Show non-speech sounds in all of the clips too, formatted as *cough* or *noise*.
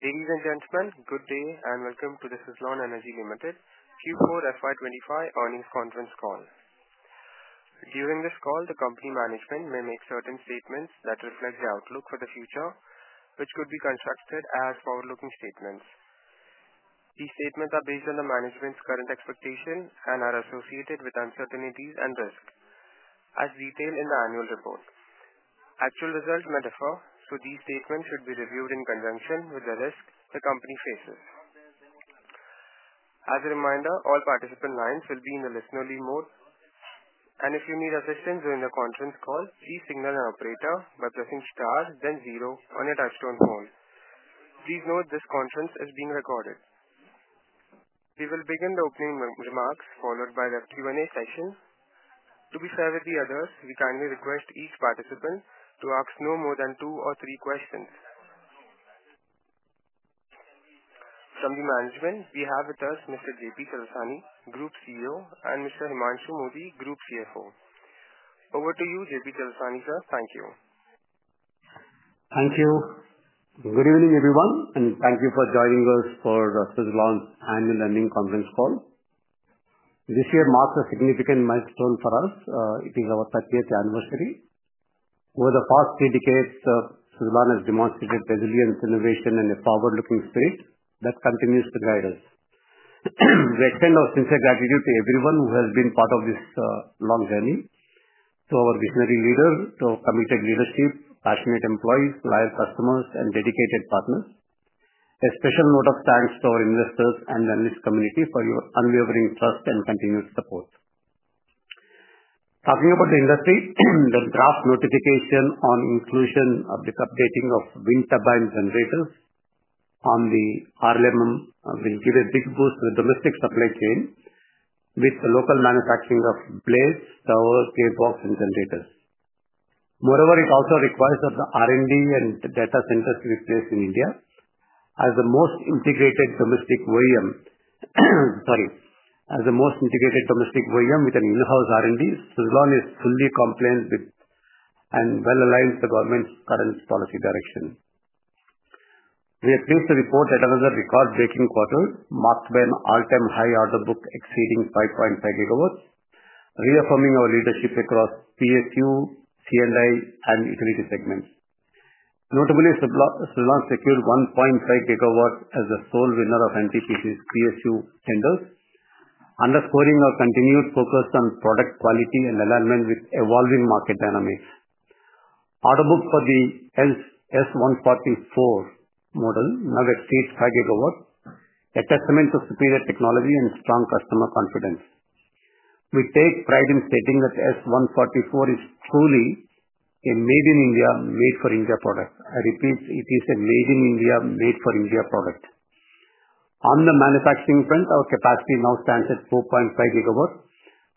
Ladies and gentlemen, good day and welcome to the Suzlon Energy Limited Q4 FY25 Earnings Conference Call. During this call, the company management may make certain statements that reflect the outlook for the future, which could be construed as forward-looking statements. These statements are based on the management's current expectations and are associated with uncertainties and risks, as detailed in the annual report. Actual results may differ, so these statements should be reviewed in conjunction with the risk the company faces. As a reminder, all participant lines will be in the listener-only mode, and if you need assistance during the conference call, please signal an operator by pressing star, then zero on your touch-tone phone. Please note this conference is being recorded. We will begin the opening remarks followed by the Q&A session. To be fair with the others, we kindly request each participant to ask no more than two or three questions. From the management, we have with us Mr. JP Chalasani, Group CEO, and Mr. Himanshu Mody, Group CFO. Over to you, JP Chalasani, sir. Thank you. Thank you. Good evening, everyone, and thank you for joining us for Suzlon's annual earning conference call. This year marks a significant milestone for us. It is our 30th anniversary. Over the past three decades, Suzlon has demonstrated resilience, innovation, and a forward-looking spirit that continues to guide us. We extend our sincere gratitude to everyone who has been part of this long journey: to our visionary leaders, to our committed leadership, passionate employees, loyal customers, and dedicated partners. A special note of thanks to our investors and the analyst community for your unwavering trust and continued support. Talking about the industry, the draft notification on inclusion of updating of wind turbine generators on the RLMM will give a big boost to the domestic supply chain, with the local manufacturing of blades, towers, gearbox, and generators. Moreover, it also requires that the R&D and data centers be placed in India. As the most integrated domestic OEM, sorry, as the most integrated domestic OEM with an in-house R&D, Suzlon is fully compliant with and well aligned with the government's current policy direction. We are pleased to report that another record-breaking quarter, marked by an all-time high order book exceeding 5.5 GW, is reaffirming our leadership across PSU, C&I, and Utility segments. Notably, Suzlon secured 1.5 GW as the sole winner of NTPC's PSU tenders, underscoring our continued focus on product quality and alignment with evolving market dynamics. Order book for the S144 model now exceeds 5 GW, a testament to superior technology and strong customer confidence. We take pride in stating that S144 is truly a made-in-India, made-for-India product. I repeat, it is a made-in-India, made-for-India product. On the manufacturing front, our capacity now stands at 4.5 GW,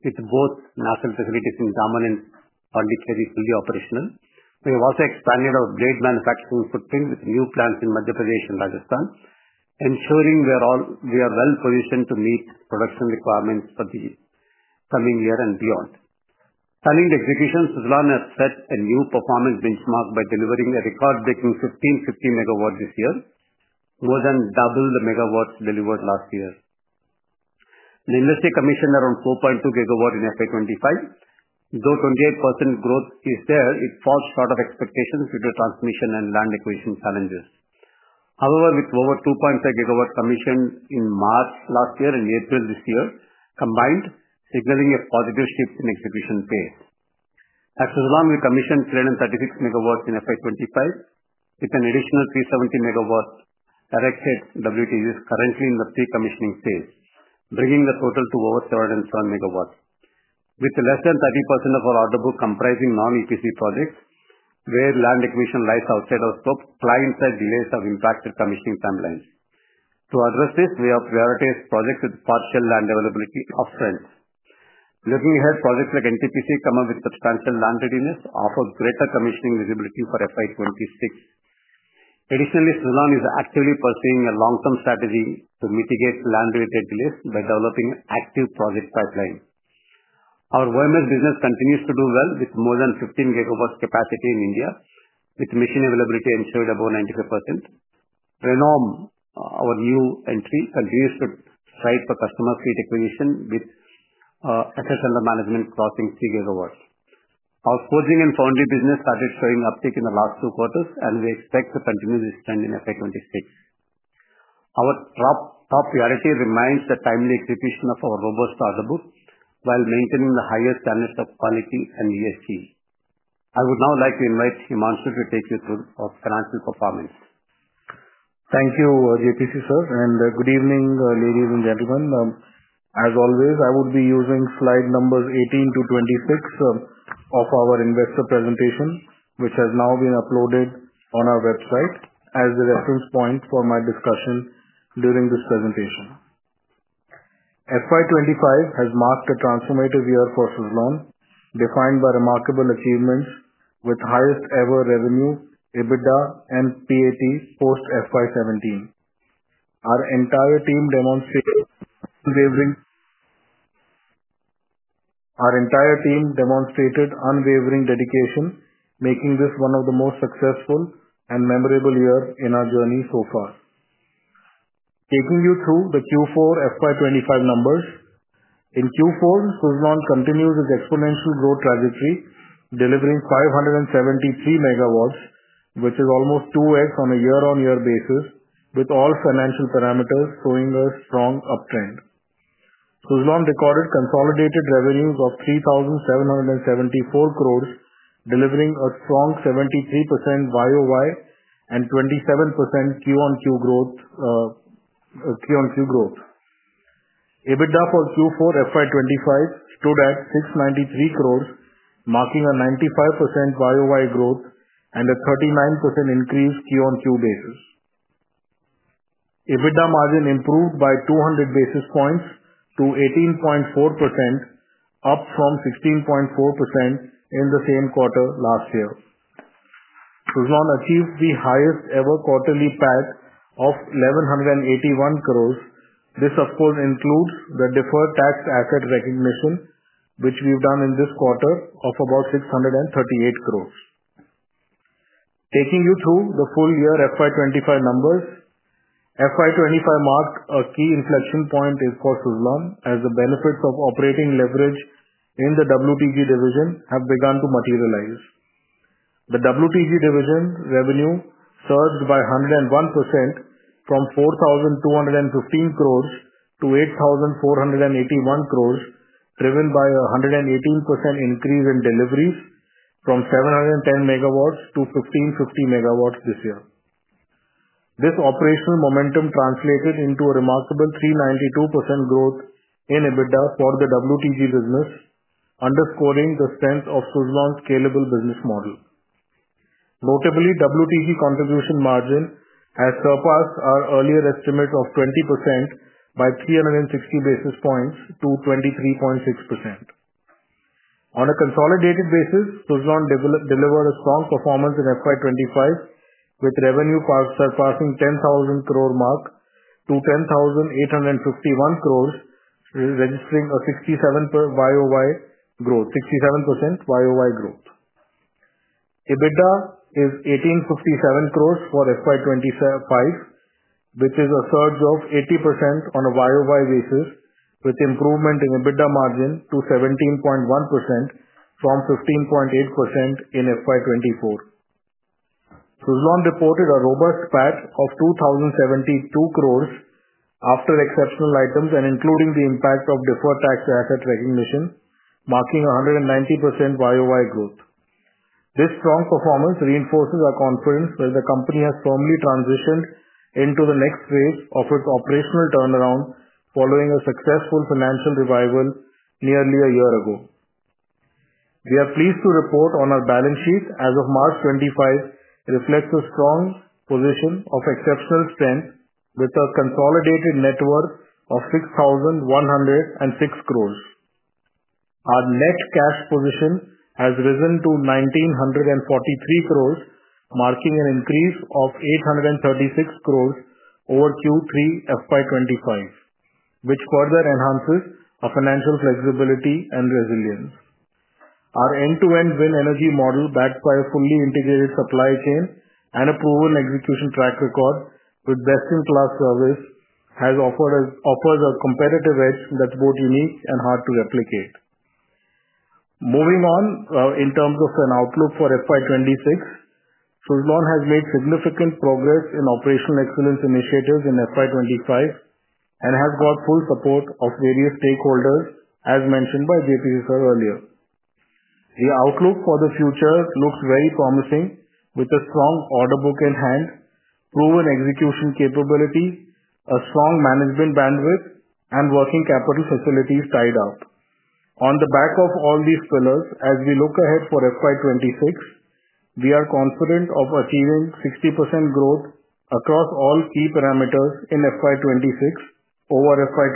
with both national facilities in Daman and Pondicherry fully operational. We have also expanded our blade manufacturing footprint with new plants in Madhya Pradesh and Rajasthan, ensuring we are well positioned to meet production requirements for the coming year and beyond. Stunning execution, Suzlon has set a new performance benchmark by delivering a record-breaking 1,550 MW this year, more than double the megawatts delivered last year. The industry commissioned around 4.2 GW in FY 2025. Though 28% growth is there, it falls short of expectations due to transmission and land acquisition challenges. However, with over 2.5 GW commissioned in March last year and April this year combined, signaling a positive shift in execution pace. At Suzlon, we commissioned 336 MW in FY 2025, with an additional 370 MW direct-hit WTGs currently in the pre-commissioning phase, bringing the total to over 707 MW. With less than 30% of our order book comprising non-EPC projects, where land acquisition lies outside our scope, client-side delays have impacted commissioning timelines. To address this, we have prioritized projects with partial land availability upfront. Looking ahead, projects like NTPC, coming with substantial land readiness, offer greater commissioning visibility for FY 2026. Additionally, Suzlon is actively pursuing a long-term strategy to mitigate land-related delays by developing active project pipelines. Our OMS business continues to do well with more than 15 GW capacity in India, with machine availability ensured above 95%. Renom, our new entry, continues to strive for customer fleet acquisition with assets under management crossing 3 GW. Our forging and foundry business started showing uptake in the last two quarters, and we expect to continue this trend in FY 2026. Our top priority remains the timely execution of our robust order book while maintaining the highest standards of quality and ESG. I would now like to invite Himanshu to take you through our financial performance. Thank you, JPC sir, and good evening, ladies and gentlemen. As always, I would be using slide numbers 18-26 of our investor presentation, which has now been uploaded on our website as a reference point for my discussion during this presentation. FY 2025 has marked a transformative year for Suzlon, defined by remarkable achievements with highest-ever revenue, EBITDA, and PAT post-FY 2017. Our entire team demonstrated unwavering dedication, making this one of the most successful and memorable years in our journey so far. Taking you through the Q4 FY 2025 numbers, in Q4, Suzlon continues its exponential growth trajectory, delivering 573 MW, which is almost 2x on a year-on-year basis, with all financial parameters showing a strong uptrend. Suzlon recorded consolidated revenues of 3,774 crores, delivering a strong 73% YOY and 27% Q-on-Q growth. EBITDA for Q4 FY 2025 stood at 693 crores, marking a 95% YOY growth and a 39% increase Q-on-Q basis. EBITDA margin improved by 200 basis points to 18.4%, up from 16.4% in the same quarter last year. Suzlon achieved the highest-ever quarterly PAT of 1,181 crores. This, of course, includes the deferred tax asset recognition, which we've done in this quarter of about 638 crores. Taking you through the full year FY 2025 numbers, FY 2025 marked a key inflection point for Suzlon, as the benefits of operating leverage in the WTG division have begun to materialize. The WTG division revenue surged by 101% from 4,215 crores to 8,481 crores, driven by a 118% increase in deliveries from 710 MW to 1,550 MW this year. This operational momentum translated into a remarkable 392% growth in EBITDA for the WTG business, underscoring the strength of Suzlon's scalable business model. Notably, WTG contribution margin has surpassed our earlier estimate of 20% by 360 basis points to 23.6%. On a consolidated basis, Suzlon delivered a strong performance in FY 2025, with revenue surpassing the 10,000 crore mark to 10,851 crores, registering a 67% YOY growth. EBITDA is 1,857 crores for FY 2025, which is a surge of 80% on a YOY basis, with improvement in EBITDA margin to 17.1% from 15.8% in FY 2024. Suzlon reported a robust PAT of 2,072 crores after exceptional items, including the impact of deferred tax asset recognition, marking 190% YOY growth. This strong performance reinforces our confidence that the company has firmly transitioned into the next phase of its operational turnaround, following a successful financial revival nearly a year ago. We are pleased to report our balance sheet as of March 25 reflects a position of exceptional strength with a consolidated net worth of 6,106 crores. Our net cash position has risen to 1,943 crores, marking an increase of 836 crores over Q3 FY 2025, which further enhances our financial flexibility and resilience. Our end-to-end wind energy model, backed by a fully integrated supply chain and a proven execution track record with best-in-class service, offers a competitive edge that's both unique and hard to replicate. Moving on, in terms of an outlook for FY 2026, Suzlon has made significant progress in operational excellence initiatives in FY 2025 and has got full support of various stakeholders, as mentioned by JP Chalasani sir earlier. The outlook for the future looks very promising, with a strong order book in hand, proven execution capability, a strong management bandwidth, and working capital facilities tied up. On the back of all these pillars, as we look ahead for FY 2026, we are confident of achieving 60% growth across all key parameters in FY 2026 over FY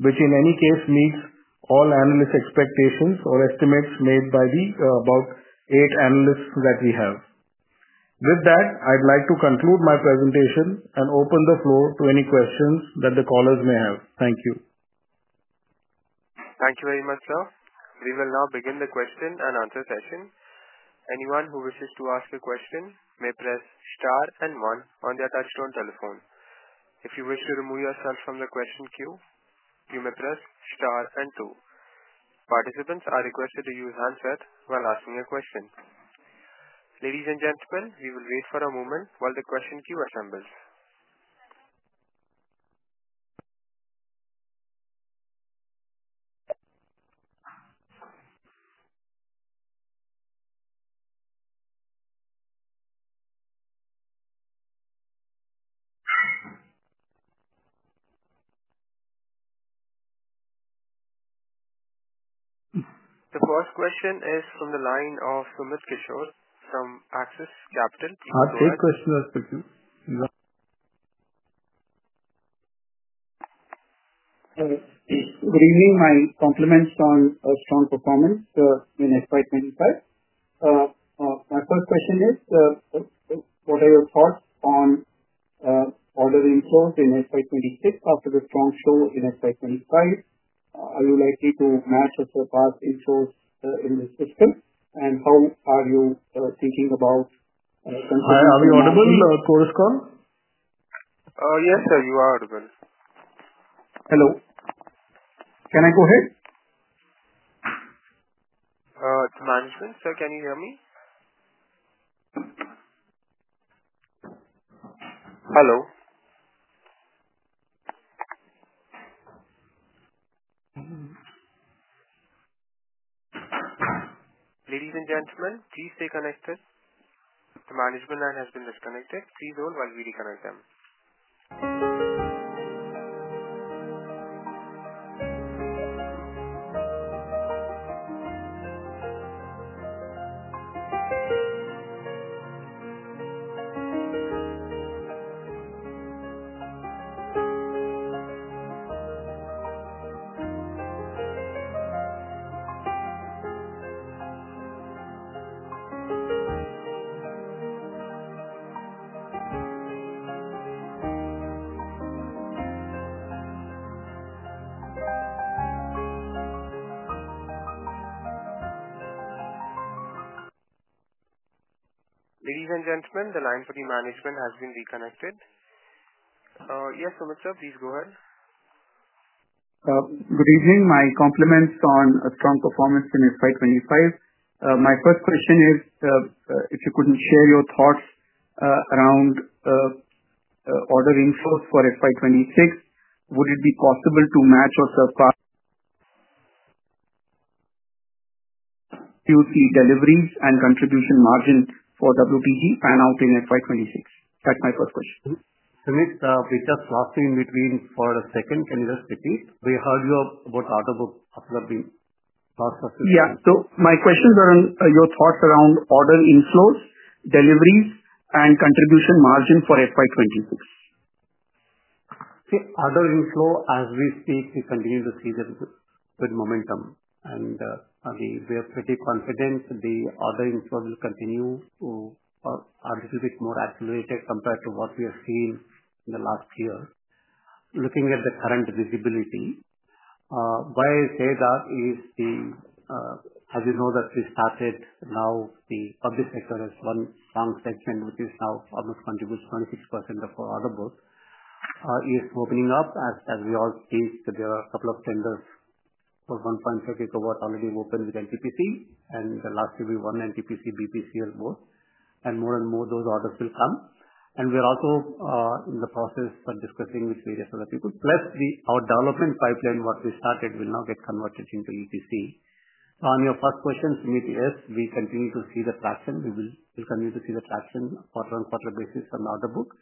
2025, which in any case meets all analyst expectations or estimates made by the about eight analysts that we have. With that, I'd like to conclude my presentation and open the floor to any questions that the callers may have. Thank you. Thank you very much, sir. We will now begin the Q&A session. Anyone who wishes to ask a question may press star and one on their touch-tone telephone. If you wish to remove yourself from the question queue, you may press star and two. Participants are requested to use handset while asking a question. Ladies and gentlemen, we will wait for a moment while the question queue assembles. The first question is from the line of Sumit Kishore from Axis Capital. Please go ahead. *audio distortion* Good evening. My compliments on a strong performance in FY 2025. My first question is, what are your thoughts on ordering flows in FY 2026 after the strong show in FY 2025? Are you likely to match or surpass in show in the system, and how are you thinking about? Are we audible? Correspond? Yes, sir. You are audible. Hello. Can I go ahead? It's management, sir. Can you hear me? Hello. Ladies and gentlemen, please stay connected. The management line has been disconnected. Please hold while we reconnect them. Ladies and gentlemen, the line for the management has been reconnected. Yes, Sumit sir, please go ahead. Good evening. My compliments on a strong performance in FY 2025. My first question is, if you could share your thoughts around ordering flows for FY 2026, would it be possible to match or surpass deliveries and contribution margin for WTG pan out in FY 2026? That is my first question. Sumit, we just lost you in between for a second. Can you just repeat? We heard you about order book after being lost for a few seconds. Yeah. So my questions are on your thoughts around order inflows, deliveries, and contribution margin for FY 2026. See, order inflow, as we speak, we continue to see the good momentum. We are pretty confident the order inflow will continue to be a little bit more accelerated compared to what we have seen in the last year. Looking at the current visibility, why I say that is, as you know, that we started now, the public sector has one strong segment, which now almost contributes 26% of our order book, is opening up. As we all speak, there are a couple of tenders for 1.5 GW already open with NTPC, and last year we won NTPC, BPC, and both. More and more those orders will come. We are also in the process of discussing with various other people, plus our development pipeline, what we started, will now get converted into EPC. On your first question, Sumit, yes, we continue to see the traction. We will continue to see the traction on a quarter-on-quarter basis on the order book.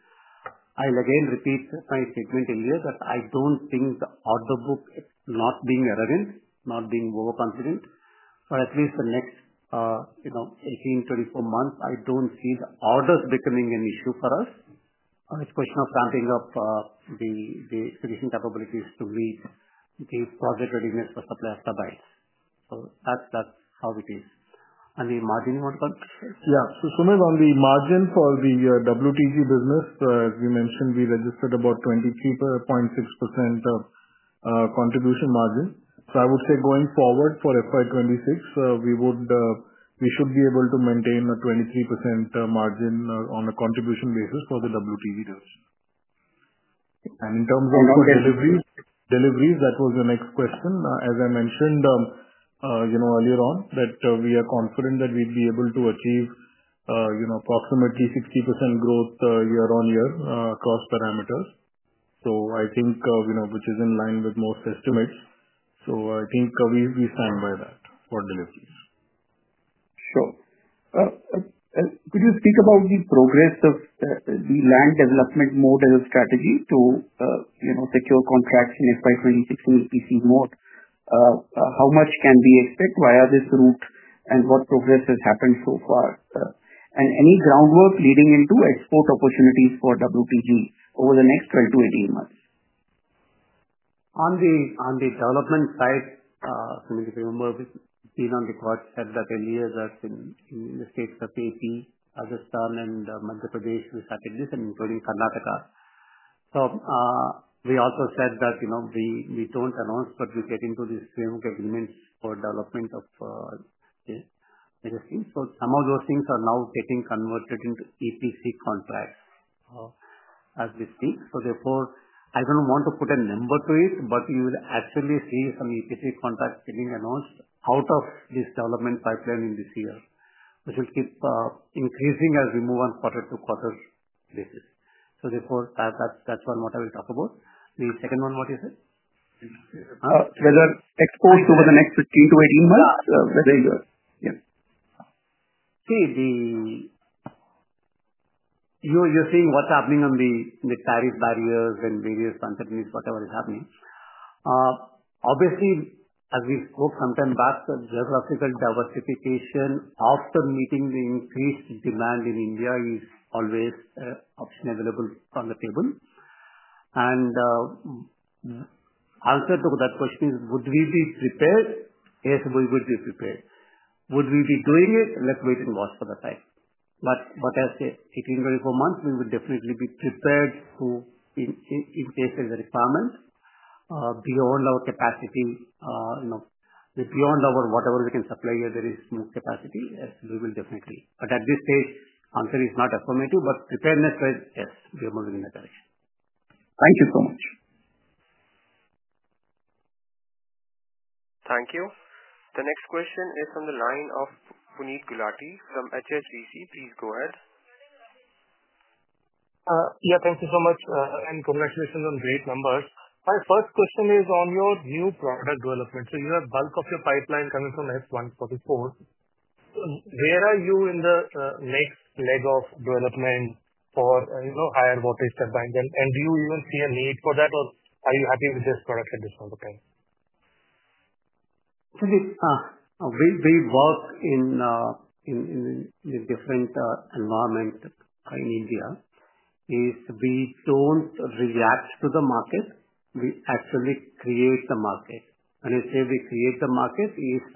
I'll again repeat my statement earlier that I don't think the order book is not being irrelevant, not being overconfident. For at least the next 18 months, 24 months, I don't see the orders becoming an issue for us. It's a question of ramping up the execution capabilities to meet the project readiness for supply after buys. That's how it is. On the margin, you want to comment? Yeah. Sumit, on the margin for the WTG business, as we mentioned, we registered about 23.6% contribution margin. I would say going forward for FY 2026, we should be able to maintain a 23% margin on a contribution basis for the WTG division. In terms of deliveries, that was the next question. As I mentioned earlier on, we are confident that we'd be able to achieve approximately 60% growth year-on-year across parameters. I think this is in line with most estimates. I think we stand by that for deliveries. Sure. Could you speak about the progress of the land development mode as a strategy to secure contracts in FY 2026 in EPC mode? How much can we expect via this route, and what progress has happened so far? Any groundwork leading into export opportunities for WTG over the next 12-18 months? On the development side, Sumit, if you remember, it has been on record said that earlier that in the states of AP, Rajasthan, and Madhya Pradesh, we started this, and including Karnataka. We also said that we don't announce, but we get into these framework agreements for development of various things. Some of those things are now getting converted into EPC contracts as we speak. I don't want to put a number to it, but you will actually see some EPC contracts getting announced out of this development pipeline in this year, which will keep increasing as we move on quarter-to-quarter basis. That's one what I will talk about. The second one, what is it? Whether exports over the next 15-18 months, whether you're—yeah. See, you're seeing what's happening on the tariff barriers and various content needs, whatever is happening. Obviously, as we spoke sometime back, the geographical diversification after meeting the increased demand in India is always an option available on the table. The answer to that question is, would we be prepared? Yes, we would be prepared. Would we be doing it? Let's wait and watch for the time. As I say, 18-24 months, we would definitely be prepared to, in case there is a requirement beyond our capacity, beyond whatever we can supply here, there is more capacity, we will definitely—but at this stage, answer is not affirmative, but preparedness-wise, yes, we are moving in that direction. Thank you so much. Thank you. The next question is from the line of Puneet Gulati from HSBC. Please go ahead. Yeah, thank you so much, and congratulations on great numbers. My first question is on your new product development. You have bulk of your pipeline coming from S144. Where are you in the next leg of development for higher voltage turbines? Do you even see a need for that, or are you happy with this product at this point of time? Puneet, we work in a different environment in India. We do not react to the market. We actually create the market. When I say we create the market, it is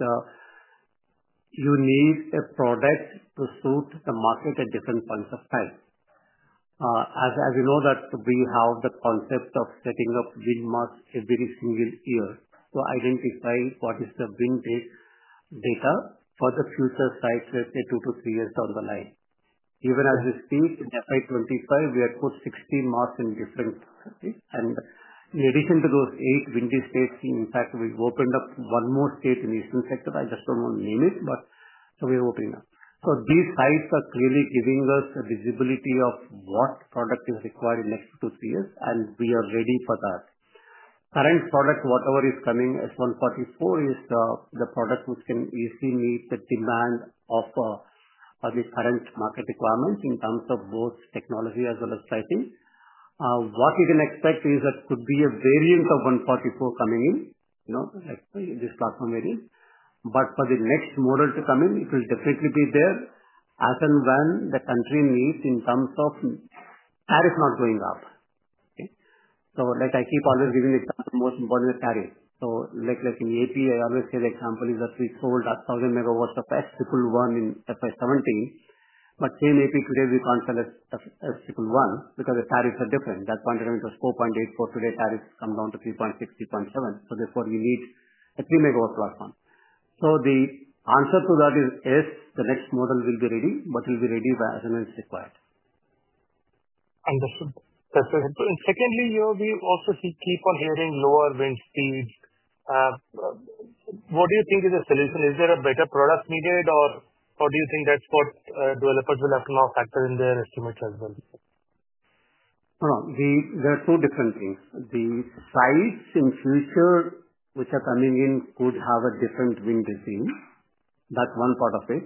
you need a product to suit the market at different points of time. As you know, we have the concept of setting up wind masts every single year to identify what is the wind data for the future sites, let us say two to three years down the line. Even as we speak, in FY 2025, we had put 60 masts in different—and in addition to those eight windy states, in fact, we have opened up one more state in the eastern sector. I just do not want to name it, but we are opening up. These sites are clearly giving us the visibility of what product is required in the next two to three years, and we are ready for that. Current product, whatever is coming S144, is the product which can easily meet the demand of the current market requirements in terms of both technology as well as pricing. What you can expect is that could be a variant of 144 coming in, like this platform variant. For the next model to come in, it will definitely be there as and when the country needs in terms of tariffs not going up. I keep always giving the example, most important is tariff. In AP, I always say the example is that we sold 1,000 MW of S111 in FY 2017, but same AP today, we cannot sell S111 because the tariffs are different. At that point of time, it was 4.84. Today, tariffs come down to 3.6, 3.7. Therefore, you need a 3-MW platform. The answer to that is, yes, the next model will be ready, but it will be ready as and when it's required. Understood. That is very helpful. Secondly, we also keep on hearing lower wind speeds. What do you think is the solution? Is there a better product needed, or do you think that is what developers will have to now factor in their estimates as well? No. There are two different things. The sites in future which are coming in could have a different wind regime. That's one part of it.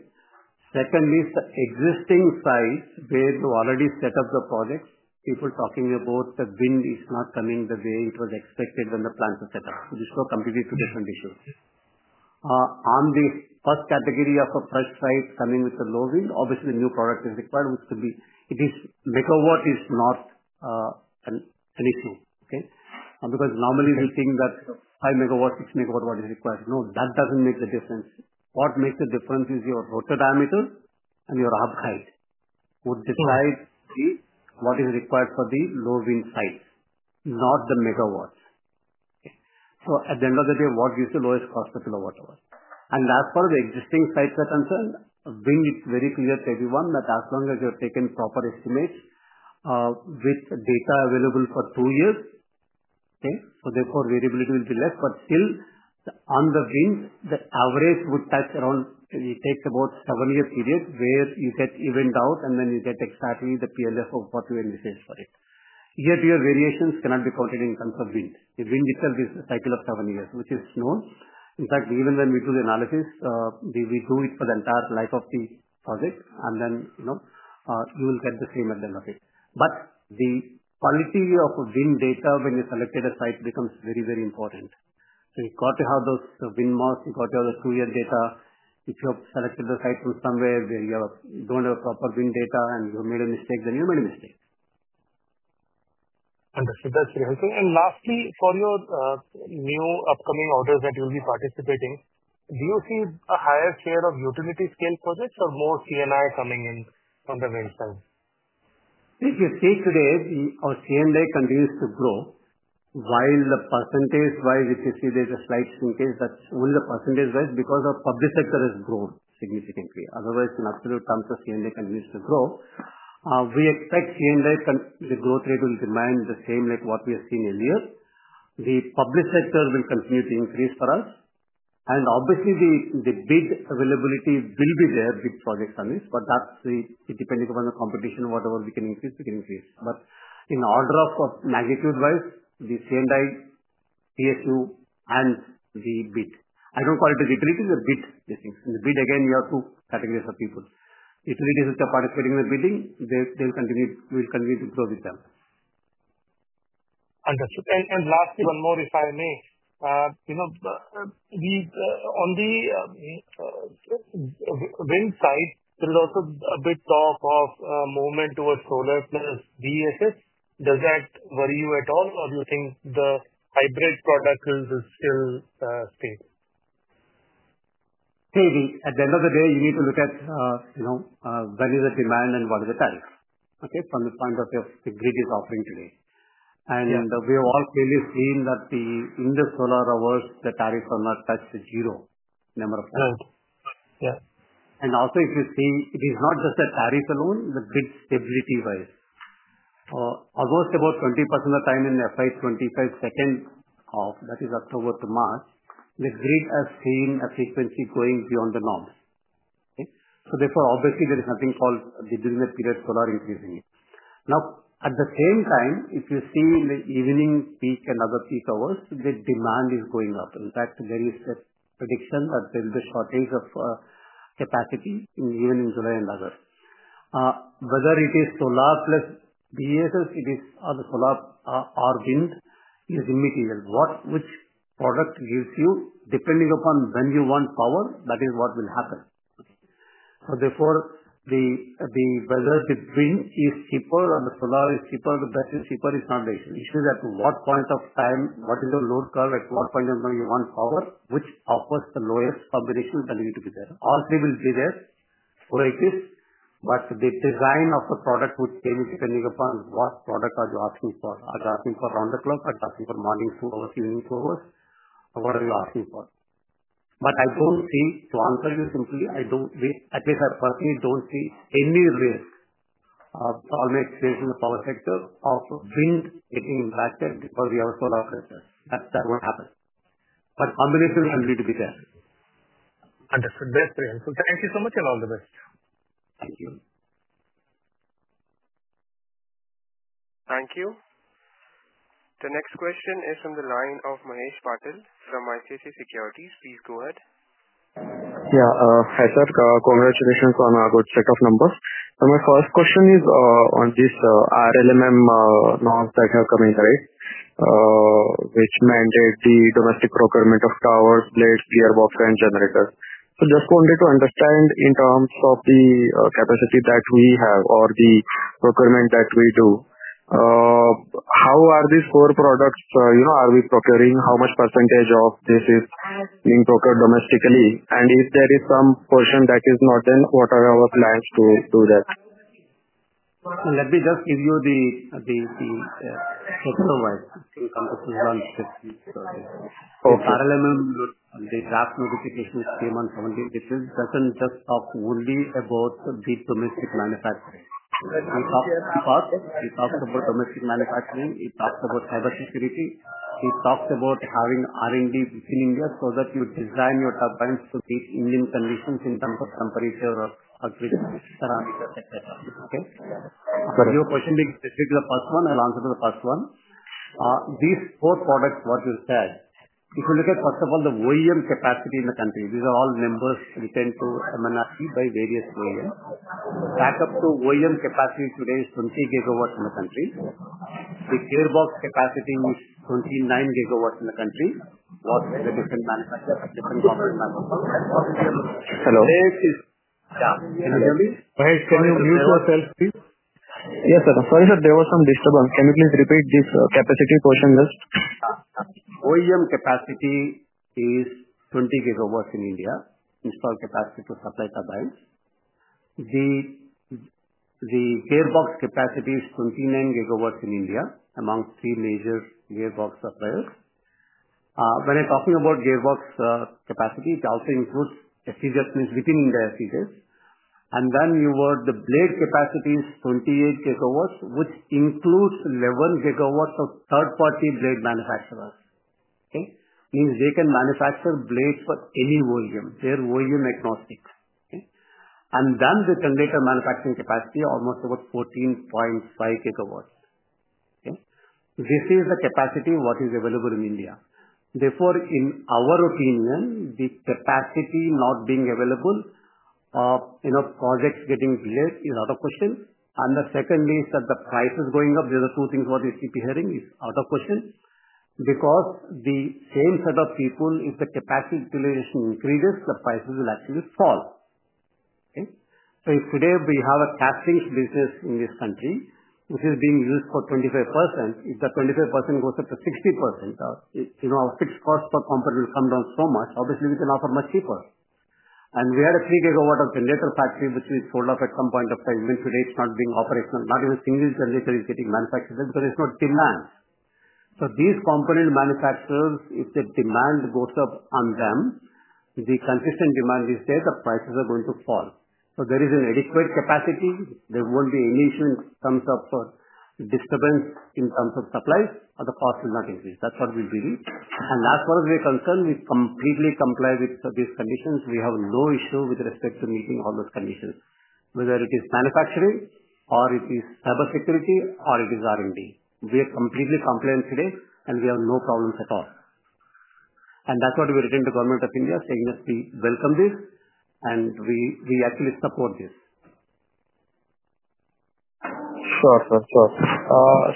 Secondly, the existing sites where we've already set up the projects, people talking about the wind is not coming the way it was expected when the plants were set up. These two are completely two different issues. On the first category of fresh sites coming with the low wind, obviously, the new product is required, which could be—megawatt is not an issue, okay? Because normally, we think that 5 MW, 6 MW, what is required. No, that doesn't make the difference. What makes the difference is your rotor diameter and your arc height would decide what is required for the low wind sites, not the megawatts. At the end of the day, what gives the lowest cost per kilowatt hour? As far as the existing sites are concerned, wind, it's very clear to everyone that as long as you're taking proper estimates with data available for two years, variability will be less. Still, on the wind, the average would touch around—it takes about a seven-year period where you get event out, and then you get exactly the PLF of what you initiate for it. Year-to-year variations cannot be counted in terms of wind. The wind itself is a cycle of seven years, which is known. In fact, even when we do the analysis, we do it for the entire life of the project, and then you will get the same at the end of it. The quality of wind data when you select a site becomes very, very important. You've got to have those wind masts. You've got to have the two-year data. If you have selected a site from somewhere where you do not have proper wind data and you have made a mistake, then you have made a mistake. Understood. That's very helpful. Lastly, for your new upcoming orders that you'll be participating, do you see a higher share of utility-scale projects or more C&I coming in from the wind side? If you see today, our C&I continues to grow. While the percentage-wise, if you see there's a slight increase, that's only the percentage-wise because our public sector has grown significantly. Otherwise, in absolute terms, our C&I continues to grow. We expect C&I, the growth rate will remain the same like what we have seen earlier. The public sector will continue to increase for us. Obviously, the bid availability will be there with projects on this, but that's depending upon the competition. Whatever we can increase, we can increase. In order of magnitude-wise, the C&I, PSU, and the bid. I don't call it a utility; it's a bid, these things. In the bid, again, you have two categories of people. Utilities which are participating in the bidding, we will continue to grow with them. Understood. Lastly, one more, if I may. On the wind side, there is also a bit of movement towards solar plus BESS. Does that worry you at all, or do you think the hybrid product is still stable? See, at the end of the day, you need to look at where is the demand and what is the tariff, okay, from the point of view of the grid is offering today. We have all clearly seen that in the solar hours, the tariffs are not touched at zero number of times. Also, if you see, it is not just the tariff alone, the grid stability-wise. Almost about 20% of the time in FY 2025 second half, that is October to March, the grid has seen a frequency going beyond the norms. Therefore, obviously, there is nothing called the during the period solar increasing. Now, at the same time, if you see in the evening peak and other peak hours, the demand is going up. In fact, there is a prediction that there will be a shortage of capacity even in July and August. Whether it is solar plus BESS, it is solar or wind is immaterial. Which product gives you, depending upon when you want power, that is what will happen. Therefore, whether the wind is cheaper or the solar is cheaper, the battery is cheaper, it is not the issue. The issue is at what point of time, what is your load curve, at what point of time you want power, which offers the lowest combination will need to be there. All three will be there, four exist, but the design of the product would change depending upon what product are you asking for. Are you asking for round the clock? Are you asking for morning two hours, evening two hours? What are you asking for? I don't see, to answer you simply, I don't see, at least I personally don't see any risk of solar exchange in the power sector of wind getting impacted because we have a solar processor. That won't happen. Combination will need to be there. Understood. That's very helpful. Thank you so much and all the best. Thank you. Thank you. The next question is from the line of Mahesh Patil from ICICI Securities. Please go ahead. Yeah. Hi sir, congratulations on a good set of numbers. My first question is on this RLMM norms that have come in, right, which mandate the domestic procurement of towers, blades, gearboxes, and generators. Just wanted to understand in terms of the capacity that we have or the procurement that we do, how are these four products, are we procuring, how much percentage of this is being procured domestically, and if there is some portion that is not, then what are our plans to do that? Let me just give you the sector-wise in terms of the launch that we've started. RLMM, the draft notification came on 17 April. It does not just talk only about the domestic manufacturing. It talks about domestic manufacturing. It talks about cybersecurity. It talks about having R&D within India so that you design your turbines to meet Indian conditions in terms of temperature, grid, ceramics, etc. Okay? Your question being specific to the first one, I will answer to the first one. These four products, what you said, if you look at, first of all, the OEM capacity in the country, these are all numbers retained to MNRE by various OEMs. Backup to OEM capacity today is 20 GW in the country. The gearbox capacity is 29 GW in the country. Different manufacturers, different component manufacturer. Hello. Yeah. Can you hear me? Mahesh, can you mute yourself, please? Yes, sir. Sorry, sir, there was some disturbance. Can you please repeat this capacity question list? OEM capacity is 20 GW in India, installed capacity to supply turbines. The gearbox capacity is 29 GW in India among three major gearbox suppliers. When I'm talking about gearbox capacity, it also includes SEZ, which means within India SEZ. You were the blade capacity is 28 GW, which includes 11 GW of third-party blade manufacturers. Okay? Means they can manufacture blades for any volume. They're OEM agnostic. Okay? The generator manufacturing capacity is almost about 14.5 GW. Okay? This is the capacity what is available in India. Therefore, in our opinion, the capacity not being available, projects getting delayed is out of question. The second is that the price is going up. These are the two things what we keep hearing is out of question. Because the same set of people, if the capacity utilization increases, the prices will actually fall. Okay? If today we have a casting business in this country, which is being used for 25%, if the 25% goes up to 60%, our fixed cost per component will come down so much. Obviously, we can offer much cheaper. We had a 3 GW generator factory, which we sold off at some point of time. Even today, it is not being operational. Not even a single generator is getting manufactured there because there is no demand. These component manufacturers, if the demand goes up on them, the consistent demand these days, the prices are going to fall. There is adequate capacity. There will not be any issue in terms of disturbance in terms of supply, or the cost will not increase. That is what we believe. As far as we are concerned, we completely comply with these conditions. We have no issue with respect to meeting all those conditions, whether it is manufacturing, or it is cybersecurity, or it is R&D. We are completely compliant today, and we have no problems at all. That is what we are writing to the government of India, saying that we welcome this, and we actually support this. Sure, sir. Sure.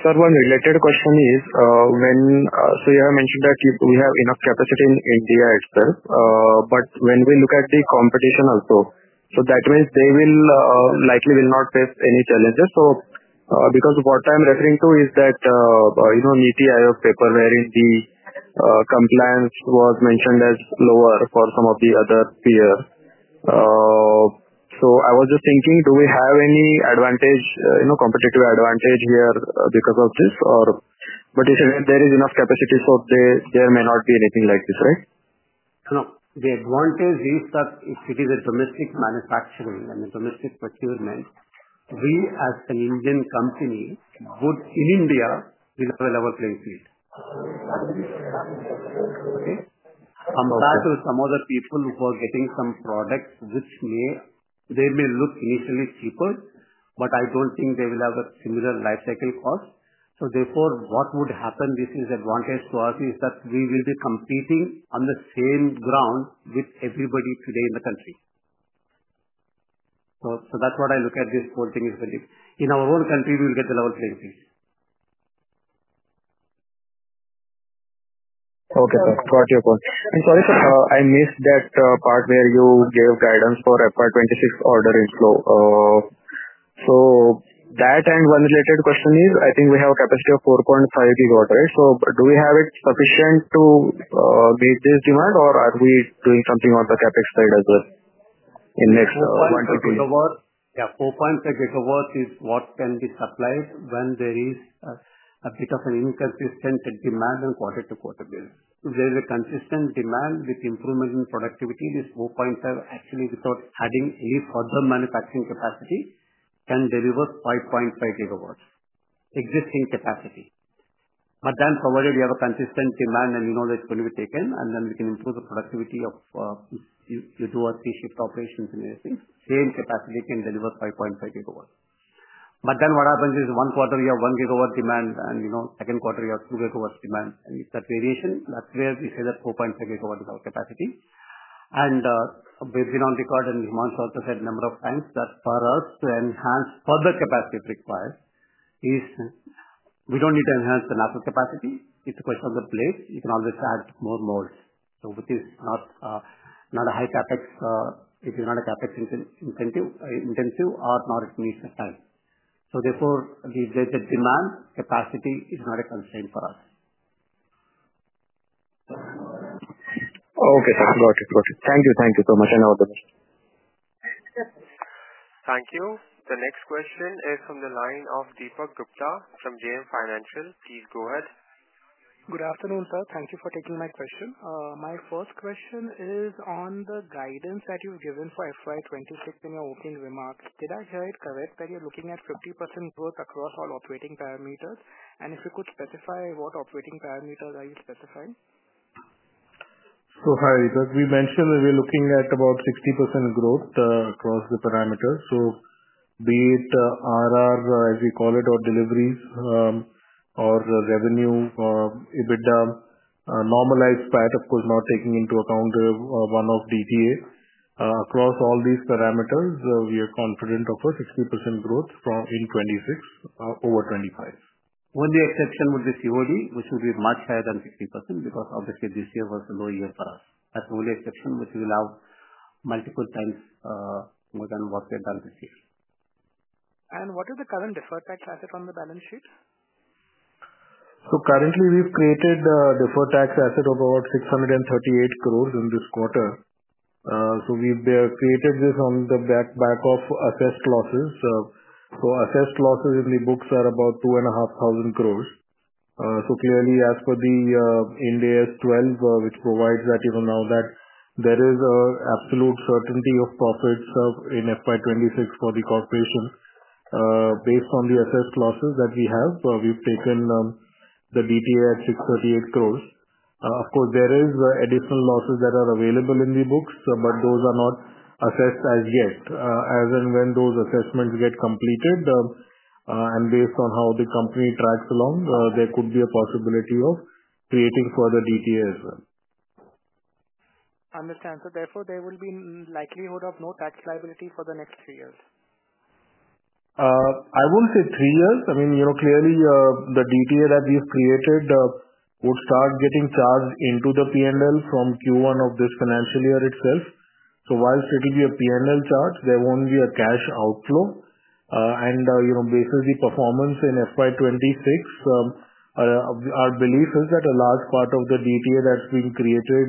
Sir, one related question is, so you have mentioned that we have enough capacity in India itself, but when we look at the competition also, that means they likely will not face any challenges. What I'm referring to is that NITI Aayog paper wherein the compliance was mentioned as lower for some of the other peers. I was just thinking, do we have any advantage, competitive advantage here because of this? You said that there is enough capacity, so there may not be anything like this, right? No. The advantage is that if it is a domestic manufacturing and a domestic procurement, we as an Indian company would, in India, we'll have a level playing field. Okay? Compared to some other people who are getting some products, which may look initially cheaper, but I do not think they will have a similar life cycle cost. Therefore, what would happen, this is advantage to us, is that we will be competing on the same ground with everybody today in the country. That is what I look at this whole thing is very different. In our own country, we will get the level playing field. Okay, sir. Got your point. Sorry, sir, I missed that part where you gave guidance for FY 2026 order inflow. That and one related question is, I think we have a capacity of 4.5 GW, right? Do we have it sufficient to meet this demand, or are we doing something on the CapEx side as well in next one to two years? Yeah. 4.5 GW is what can be supplied when there is a bit of an inconsistent demand on a quarter-to-quarter basis. If there is a consistent demand with improvement in productivity, this 4.5 GW actually, without adding any further manufacturing capacity, can deliver 5.5 GW existing capacity. Provided you have a consistent demand and you know that it is going to be taken, and then we can improve the productivity if you do a three-shift operations and everything, the same capacity can deliver 5.5 GW. What happens is one quarter, you have 1 GW demand, and second quarter, you have 2 GW demand. With that variation, that is where we say that 4.5 GW is our capacity. We have been on record, and Himanshu also said a number of times that for us to enhance further capacity required, we do not need to enhance the Nacelle capacity. It's a question of the blades. You can always add more molds, which is not a high CapEx if you're not a CapEx intensive or not at least at this time. Therefore, the demand capacity is not a constraint for us. Okay, sir. Got it. Got it. Thank you. Thank you so much. I know what the question is. Thank you. The next question is from the line of Deepak Gupta from JM Financial. Please go ahead. Good afternoon, sir. Thank you for taking my question. My first question is on the guidance that you've given for FY 2026 in your opening remarks. Did I hear it correct that you're looking at 50% growth across all operating parameters? If you could specify what operating parameters are you specifying? Hi, Deepak. We mentioned that we're looking at about 60% growth across the parameters. Be it RR, as we call it, or deliveries, or revenue, EBITDA, normalized PAT, of course, not taking into account one-off DDA. Across all these parameters, we are confident of a 60% growth in 2026 over 2025. Only exception would be COD, which would be much higher than 60% because obviously this year was a low year for us. That's the only exception which will have multiple times more than what we have done this year. What is the current deferred tax asset on the balance sheet? Currently, we've created a deferred tax asset of about 638 crore in this quarter. We've created this on the back of assessed losses. Assessed losses in the books are about 2,500 crore. Clearly, as per IndAS 12, which provides that even now, that there is an absolute certainty of profits in FY 2026 for the corporation based on the assessed losses that we have. We've taken the DTA at 638 crore. Of course, there are additional losses that are available in the books, but those are not assessed as yet. As and when those assessments get completed, and based on how the company tracks along, there could be a possibility of creating further DTA as well. Understand. So therefore, there will be likelihood of no tax liability for the next three years? I won't say three years. I mean, clearly, the DTA that we've created would start getting charged into the P&L from Q1 of this financial year itself. Whilst it will be a P&L charge, there won't be a cash outflow. Basically, performance in FY 2026, our belief is that a large part of the DTA that's being created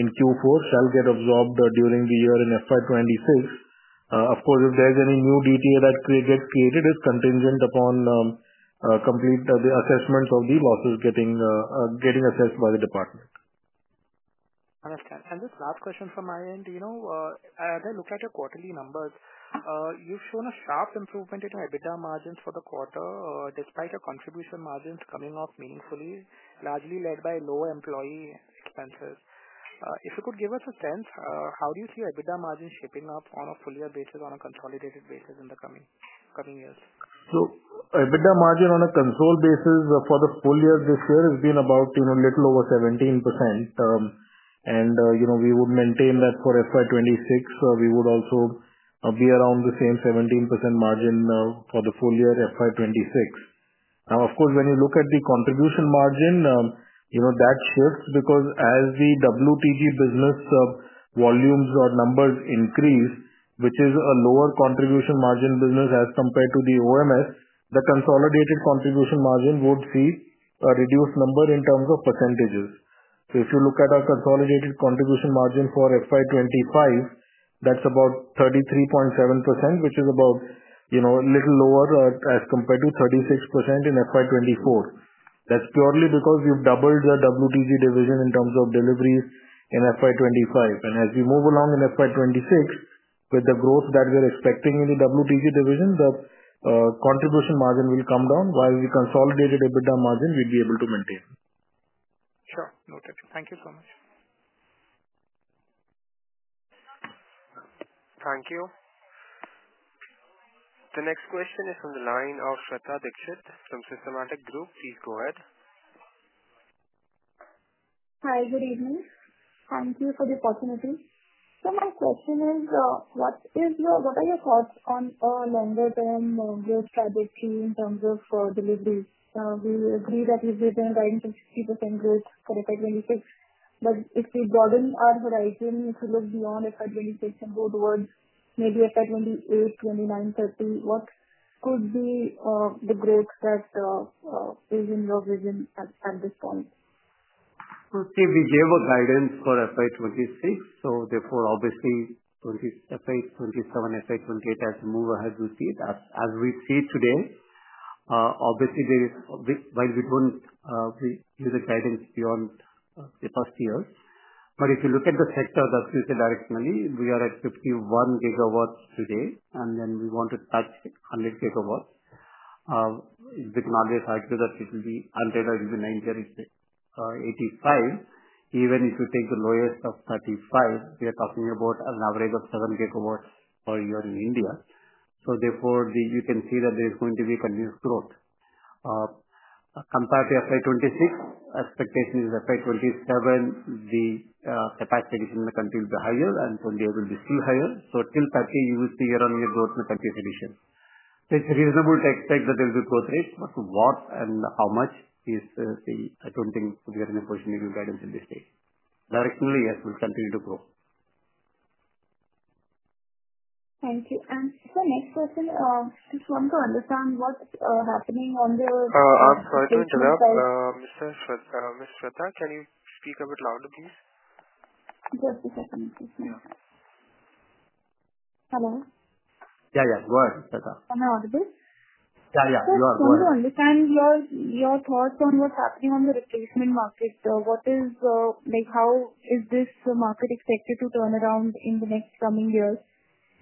in Q4 shall get absorbed during the year in F 20Y26. Of course, if there's any new DTA that gets created, it's contingent upon complete assessments of the losses getting assessed by the department. Understand. Just last question from my end. As I look at your quarterly numbers, you've shown a sharp improvement in your EBITDA margins for the quarter despite your contribution margins coming off meaningfully, largely led by lower employee expenses. If you could give us a sense, how do you see your EBITDA margin shaping up on a full-year basis, on a consolidated basis in the coming years? EBITDA margin on a consolidated basis for the full year this year has been about a little over 17%. We would maintain that for FY 2026. We would also be around the same 17% margin for the full year FY 2026. Of course, when you look at the contribution margin, that shifts because as the WTG business volumes or numbers increase, which is a lower contribution margin business as compared to the OMS, the consolidated contribution margin would see a reduced number in terms of percentages. If you look at our consolidated contribution margin for FY 2025, that's about 33.7%, which is a little lower as compared to 36% in FY 2024. That's purely because we've doubled the WTG division in terms of deliveries in FY 2025. As we move along in FY 2026, with the growth that we're expecting in the WTG division, the contribution margin will come down. While the consolidated EBITDA margin, we'd be able to maintain. Sure. Noted. Thank you so much. Thank you. The next question is from the line of Shweta Dikshit from Systematix Group. Please go ahead. Hi. Good evening. Thank you for the opportunity. So my question is, what are your thoughts on a longer-term growth trajectory in terms of deliveries? We agree that we've been riding to 60% growth for FY 2026, but if we broaden our horizon, if we look beyond FY 2026 and go towards maybe FY 2028, 2029, 2030, what could be the growth that is in your vision at this point? See, we gave a guidance for FY 2026. Therefore, obviously, FY 2027, FY 2028 as we move ahead, we see it. As we see today, obviously, while we do not use a guidance beyond the first year, if you look at the sector that we have said directionally, we are at 51 GW, and then we want to touch 100 GW. We can always argue that it will be 100 GW, it will be 90 GW or 85 GW. Even if you take the lowest of 35 GW, we are talking about an average of 7 GW per year in India. Therefore, you can see that there is going to be continuous growth. Compared to FY 2026, expectation is FY 2027, the capacity addition in the country will be higher, and 2028 will be still higher. In 2030, you will see year-on-year growth in the country's addition. It is reasonable to expect that there will be growth rate, but what and how much is the, I do not think we are in a position to give guidance at this stage. Directionally, yes, we will continue to grow. Thank you. Next question, just want to understand what's happening on the. Sorry to interrupt. Ms. Shweta, can you speak a bit louder, please? Just a second. Yeah. Hello? Yeah, yeah. Go ahead, Shweta. Turn it out a bit. Yeah, yeah. You are good. Just want to understand your thoughts on what's happening on the replacement market. How is this market expected to turn around in the next coming years,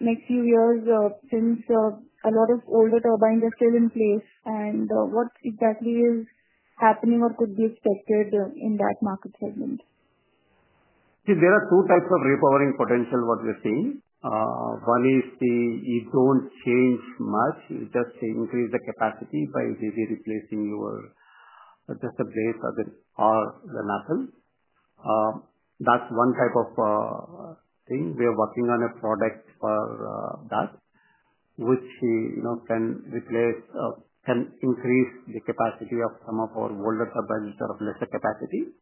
next few years since a lot of older turbines are still in place? What exactly is happening or could be expected in that market segment? See, there are two types of repowering potential what we're seeing. One is you don't change much. You just increase the capacity by maybe replacing just a blade or the nacelle. That's one type of thing. We are working on a product for that, which can increase the capacity of some of our older turbines that are of lesser capacity.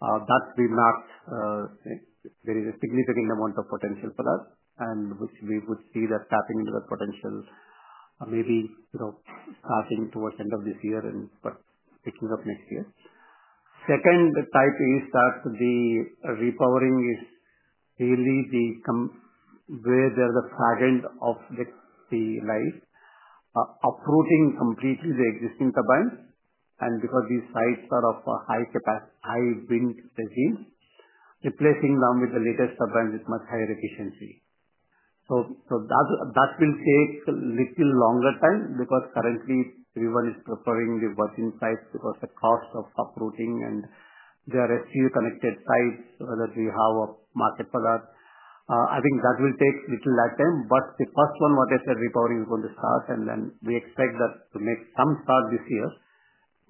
That will map, there is a significant amount of potential for that, and which we would see that tapping into that potential maybe starting towards the end of this year and picking up next year. Second type is that the repowering is really where there are the fragments of the lines uprooting completely the existing turbines. Because these sites are of high wind regime, replacing them with the latest turbines with much higher efficiency. That will take a little longer time because currently, everyone is preferring the virgin sites because the cost of uprooting, and there are a few connected sites that we have a market for that. I think that will take a little less time. The first one, what I said, repowering is going to start, and then we expect that to make some start this year.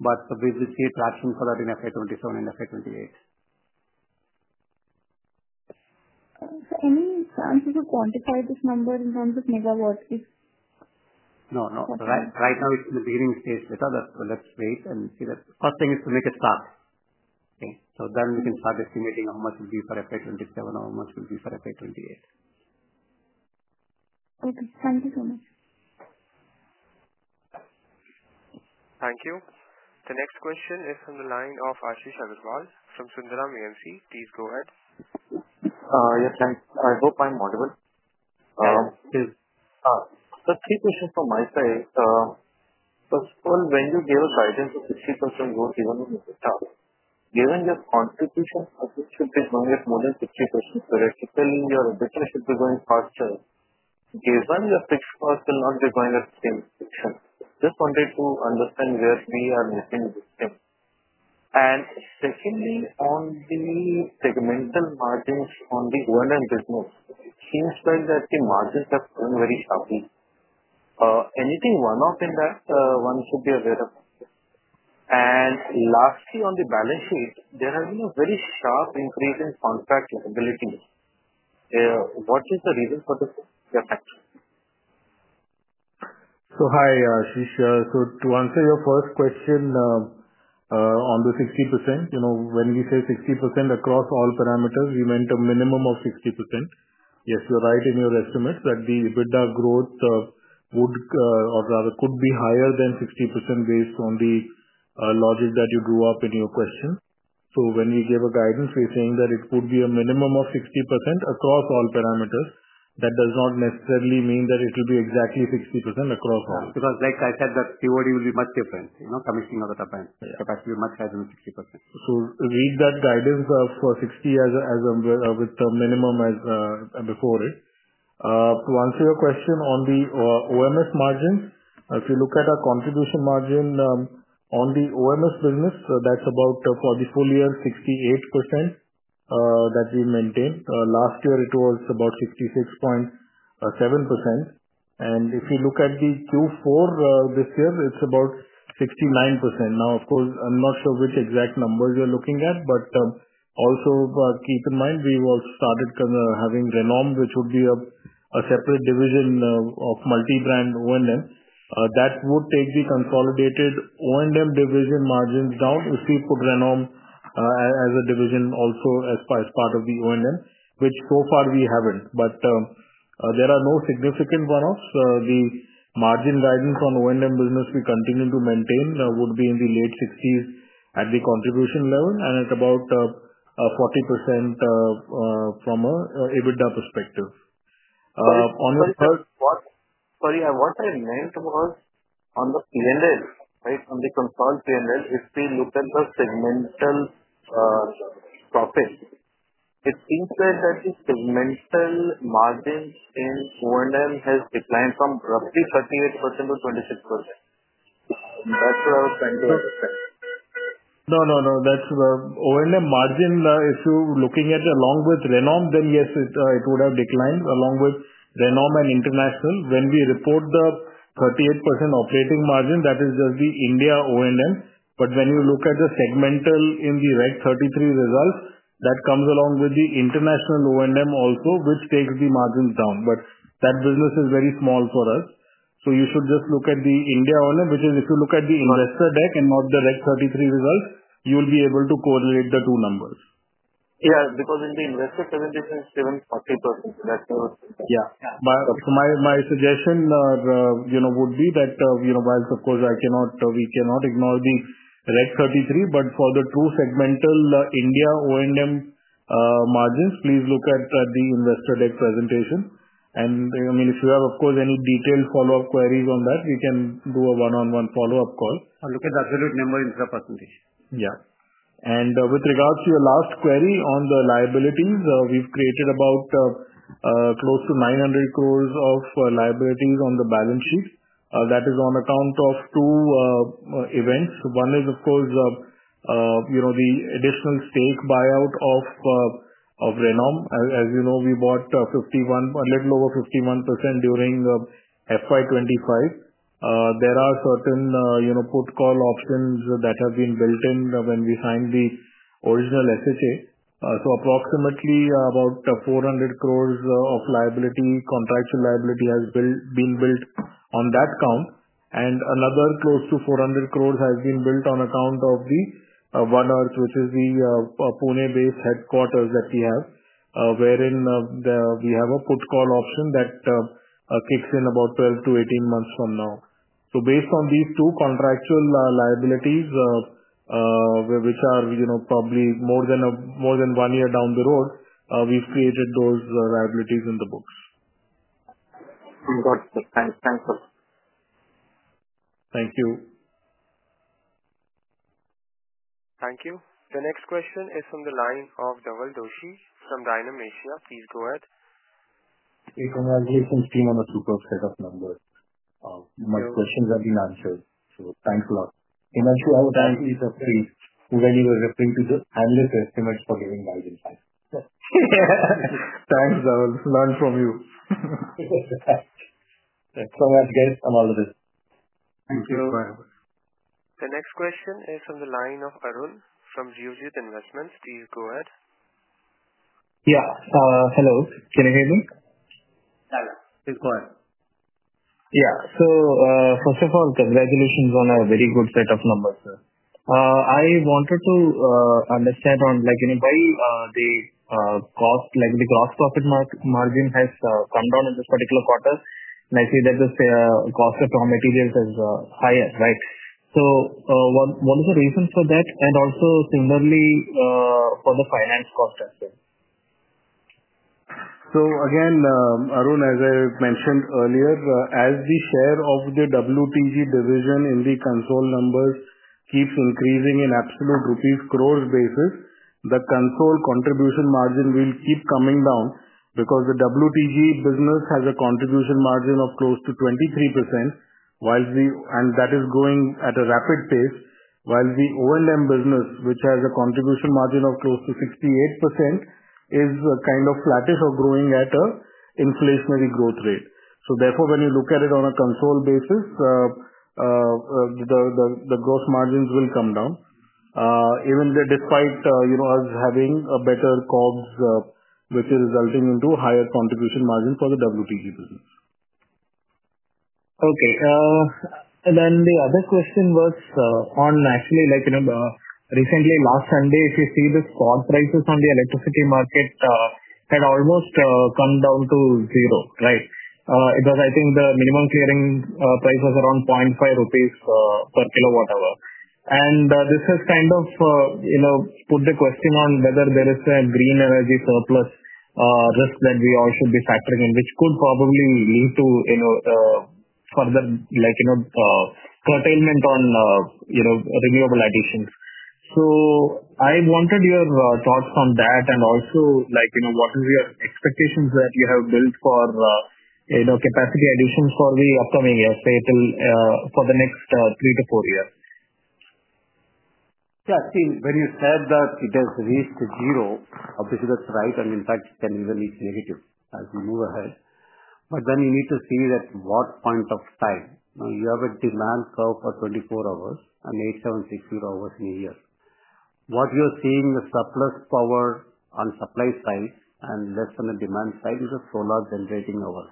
We will see traction for that in FY 2027 and FY 2028. Any chances of quantifying this number in terms of megawatts? No, no. Right now, it's in the beginning stage, Shweta. Let's wait and see that. First thing is to make a start. Okay? Then we can start estimating how much will be for FY 2027 or how much will be for FY 2028. Okay. Thank you so much. Thank you. The next question is from the line of Ashish Aggarwal from Sundaram AMC. Please go ahead. Yes, thanks. I hope I'm audible. Yes. The key question from my side, first of all, when you gave a guidance of 60% growth, even in the start, given your contribution, it should be going at more than 60% periodically. Your EBITDA should be going faster. Given your fixed cost will not be going at the same fixed rate. Just wanted to understand where we are missing this thing. Secondly, on the segmental margins on the O&M business, it seems like that the margins have gone very sharply. Anything one-off in that, one should be aware of. Lastly, on the balance sheet, there has been a very sharp increase in contract liability. What is the reason for this effect? Hi, Ashish. To answer your first question on the 60%, when we say 60% across all parameters, we meant a minimum of 60%. Yes, you're right in your estimates that the EBITDA growth would, or rather could be higher than 60% based on the logic that you drew up in your question. When we gave a guidance, we're saying that it could be a minimum of 60% across all parameters. That does not necessarily mean that it will be exactly 60% across all. Because, like I said, that COD will be much different. Commissioning of the turbine capacity will be much higher than 60%. Read that guidance for 60% with the minimum as before it. To answer your question on the OMS margins, if you look at our contribution margin on the OMS business, that's about, for the full year, 68% that we maintain. Last year, it was about 66.7%. If you look at the Q4 this year, it's about 69%. Of course, I'm not sure which exact numbers you're looking at, but also keep in mind we've also started having Renom, which would be a separate division of multi-brand O&M. That would take the consolidated O&M division margins down if we put Renom as a division also as part of the O&M, which so far we haven't. There are no significant one-offs. The margin guidance on O&M business we continue to maintain would be in the late 60s at the contribution level and at about 40% from an EBITDA perspective. Sorry, what I meant was on the P&L, right? On the consolidated P&L, if we look at the segmental profit, it seems like that the segmental margins in O&M has declined from roughly 38% to 26%. That's what I was trying to understand. No, no, no. O&M margin issue looking at it along with Renom, then yes, it would have declined along with Renom and International. When we report the 38% operating margin, that is just the India O&M. When you look at the segmental in the REC-33 results, that comes along with the International O&M also, which takes the margins down. That business is very small for us. You should just look at the India O&M, which is if you look at the investor deck and not the REC-33 results, you will be able to correlate the two numbers. Yeah, because in the investor presentation, it's given 40%. That's what I was saying. Yeah. My suggestion would be that whilst, of course, we cannot ignore the REC-33, for the true segmental India O&M margins, please look at the investor deck presentation. I mean, if you have, of course, any detailed follow-up queries on that, we can do a one-on-one follow-up call. Look at the absolute number instead of percentage. Yeah. With regards to your last query on the liabilities, we've created about close to 900 crore of liabilities on the balance sheet. That is on account of two events. One is, of course, the additional stake buyout of Renom. As you know, we bought a little over 51% during FY 2025. There are certain put-call options that have been built in when we signed the original SHA. Approximately about 400 crore of liability, contractual liability, has been built on that count. Another close to 400 crore has been built on account of the One Earth, which is the Pune-based headquarters that we have, wherein we have a put-call option that kicks in about 12-18 months from now. Based on these two contractual liabilities, which are probably more than one year down the road, we've created those liabilities in the books. Got it. Thanks. Thank you. Thank you. The next question is from the line of Dhawal Doshi from Dymon Asia. Please go ahead. Hey, congratulations to you on the super set of numbers. My questions have been answered. Thanks a lot. Himanshu, I would ask you to please really refer to the analyst estimates for giving guidance. Thanks, Dhawal. Learn from you. Thanks so much, guys. I'm out of this. Thank you. Thank you. Bye. The next question is from the line of Arun from Geojit Investments. Please go ahead. Yeah. Hello. Can you hear me? Please go ahead. Yeah. First of all, congratulations on a very good set of numbers. I wanted to understand why the gross profit margin has come down in this particular quarter. I see that the cost of raw materials is higher, right? What is the reason for that? Also, similarly, for the finance cost aspect. Again, Arun, as I mentioned earlier, as the share of the WTG division in the consolidated numbers keeps increasing in absolute rupees crores basis, the consolidated contribution margin will keep coming down because the WTG business has a contribution margin of close to 23%, and that is growing at a rapid pace, while the O&M business, which has a contribution margin of close to 68%, is kind of flattish or growing at an inflationary growth rate. Therefore, when you look at it on a consolidated basis, the gross margins will come down, even despite us having a better COGS, which is resulting in higher contribution margin for the WTG business. Okay. And then the other question was on actually recently, last Sunday, if you see the spot prices on the electricity market had almost come down to zero, right? It was, I think, the minimum clearing price was around INR 0.5 per kWh. This has kind of put the question on whether there is a green energy surplus risk that we all should be factoring in, which could probably lead to further curtailment on renewable additions. I wanted your thoughts on that and also what are your expectations that you have built for capacity additions for the upcoming years, say, for the next three to four years? Yeah. See, when you said that it has reached zero, obviously, that's right. In fact, it can even be negative as we move ahead. You need to see at what point of time. You have a demand curve for 24 hours and 8,760 hours in a year. What you're seeing is surplus power on the supply side and less on the demand side is the solar generating hours.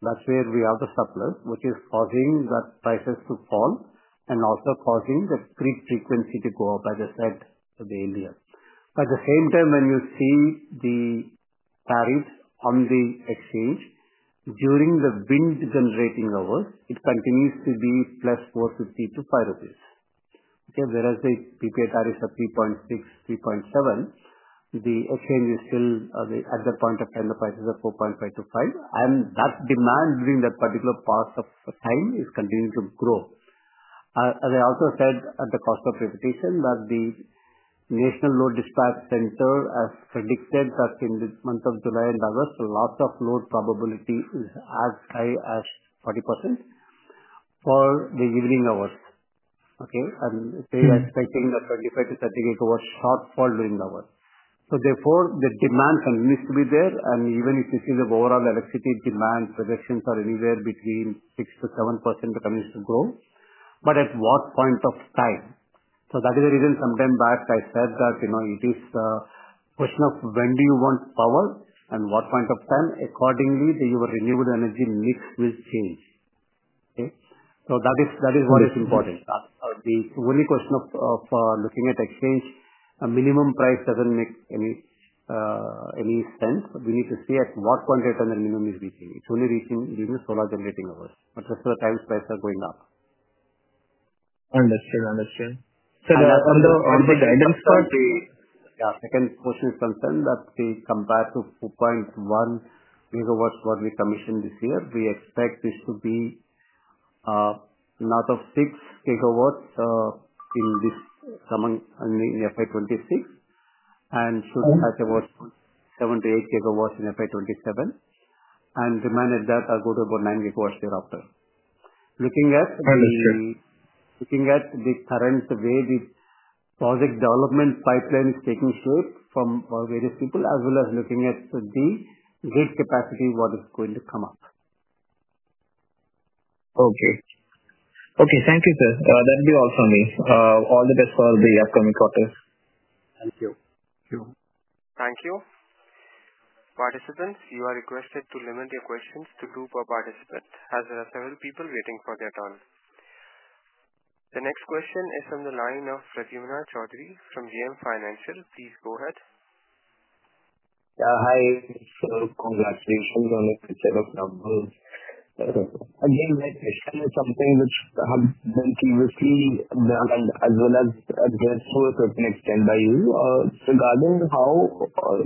That's where we have the surplus, which is causing prices to fall and also causing the grid frequency to go up, as I said earlier. At the same time, when you see the tariffs on the exchange during the wind generating hours, it continues to be plus 4.50-5 rupees. Okay? Whereas the prepaid tariffs are 3.6, 3.7, the exchange is still at the point of time, the prices are 4.5-5. And that demand during that particular part of time is continuing to grow. As I also said at the cost of reputation, the National Load Dispatch Center has predicted that in the month of July and August, loss of load probability is as high as 40% for the evening hours. Okay? They are expecting a 25 GW-30 GW shortfall during the hours. Therefore, the demand continues to be there. Even if you see the overall electricity demand projections are anywhere between 6%-7%, it continues to grow. At what point of time? That is the reason sometimes I said that it is a question of when do you want power and what point of time, accordingly, your renewable energy mix will change. Okay? That is what is important. The only question of looking at exchange, a minimum price does not make any sense. We need to see at what point of time the minimum is reaching. It's only reaching during the solar generating hours. That is where the time spikes are going up. Understood. Understood. On the guidance part, the second question is concerned that we compare to 2.1 GW what we commissioned this year. We expect this to be north of 6 GW in FY 2026 and should touch about 7 GW-8 GW in FY 2027. Demand at that are going to be about 9 GW thereafter. Looking at the current way the project development pipeline is taking shape from various people, as well as looking at the grid capacity, what is going to come up. Okay. Okay. Thank you, sir. That'll be all from me. All the best for the upcoming quarter. Thank you. Thank you. Participants, you are requested to limit your questions to two per participant. As there are several people waiting for their turn, the next question is from the line of Pradyumna Choudhary from JM Financial. Please go ahead. Hi. Congratulations on the set of numbers. Again, my question is something which has been previously done as well as addressed to a certain extent by you. Regarding how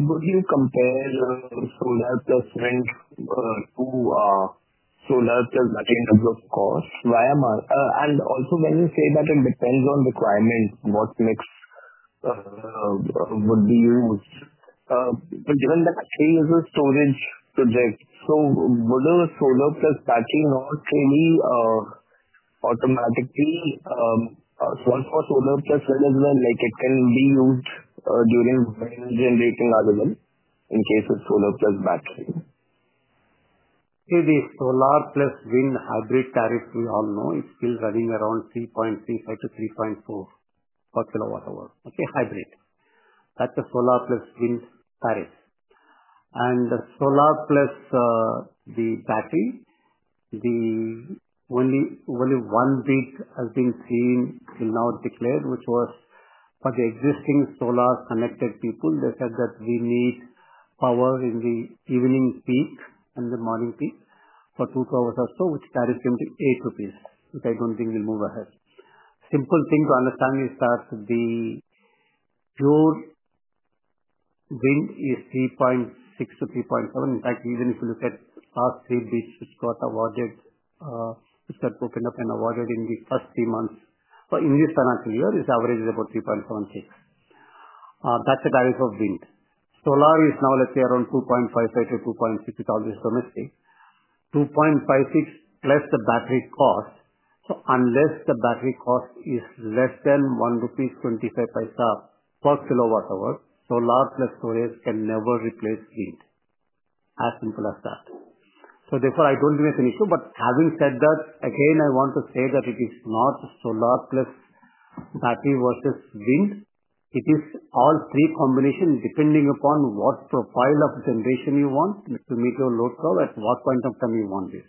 would you compare solar plus wind to solar plus battery in terms of cost? Also, when you say that it depends on requirement, what mix would be used? Given that battery is a storage project, would a solar plus battery not really automatically solve for solar plus wind as well? It can be used during wind generating hours in case of solar plus battery. See, the solar plus wind hybrid tariff we all know is still running around 3.35-3.4 per kWh. Okay? Hybrid. That's the solar plus wind tariff. And the solar plus the battery, the only one bid has been seen till now declared, which was for the existing solar connected people. They said that we need power in the evening peak and the morning peak for two hours or so, which tariffs came to 8 rupees, which I don't think will move ahead. Simple thing to understand is that the pure wind is 3.6-3.7. In fact, even if you look at past three bids, which got awarded, which got opened up and awarded in the first three months in this financial year, its average is about 3.76. That's the tariff of wind. Solar is now, let's say, around 2.55- 2.6, which is always domestic. 2.56 plus the battery cost. Unless the battery cost is less than 1.25 rupees per kWh, solar plus storage can never replace wind. As simple as that. Therefore, I do not think it is an issue. Having said that, again, I want to say that it is not solar plus battery versus wind. It is all three combination depending upon what profile of generation you want to meet your load curve at what point of time you want this.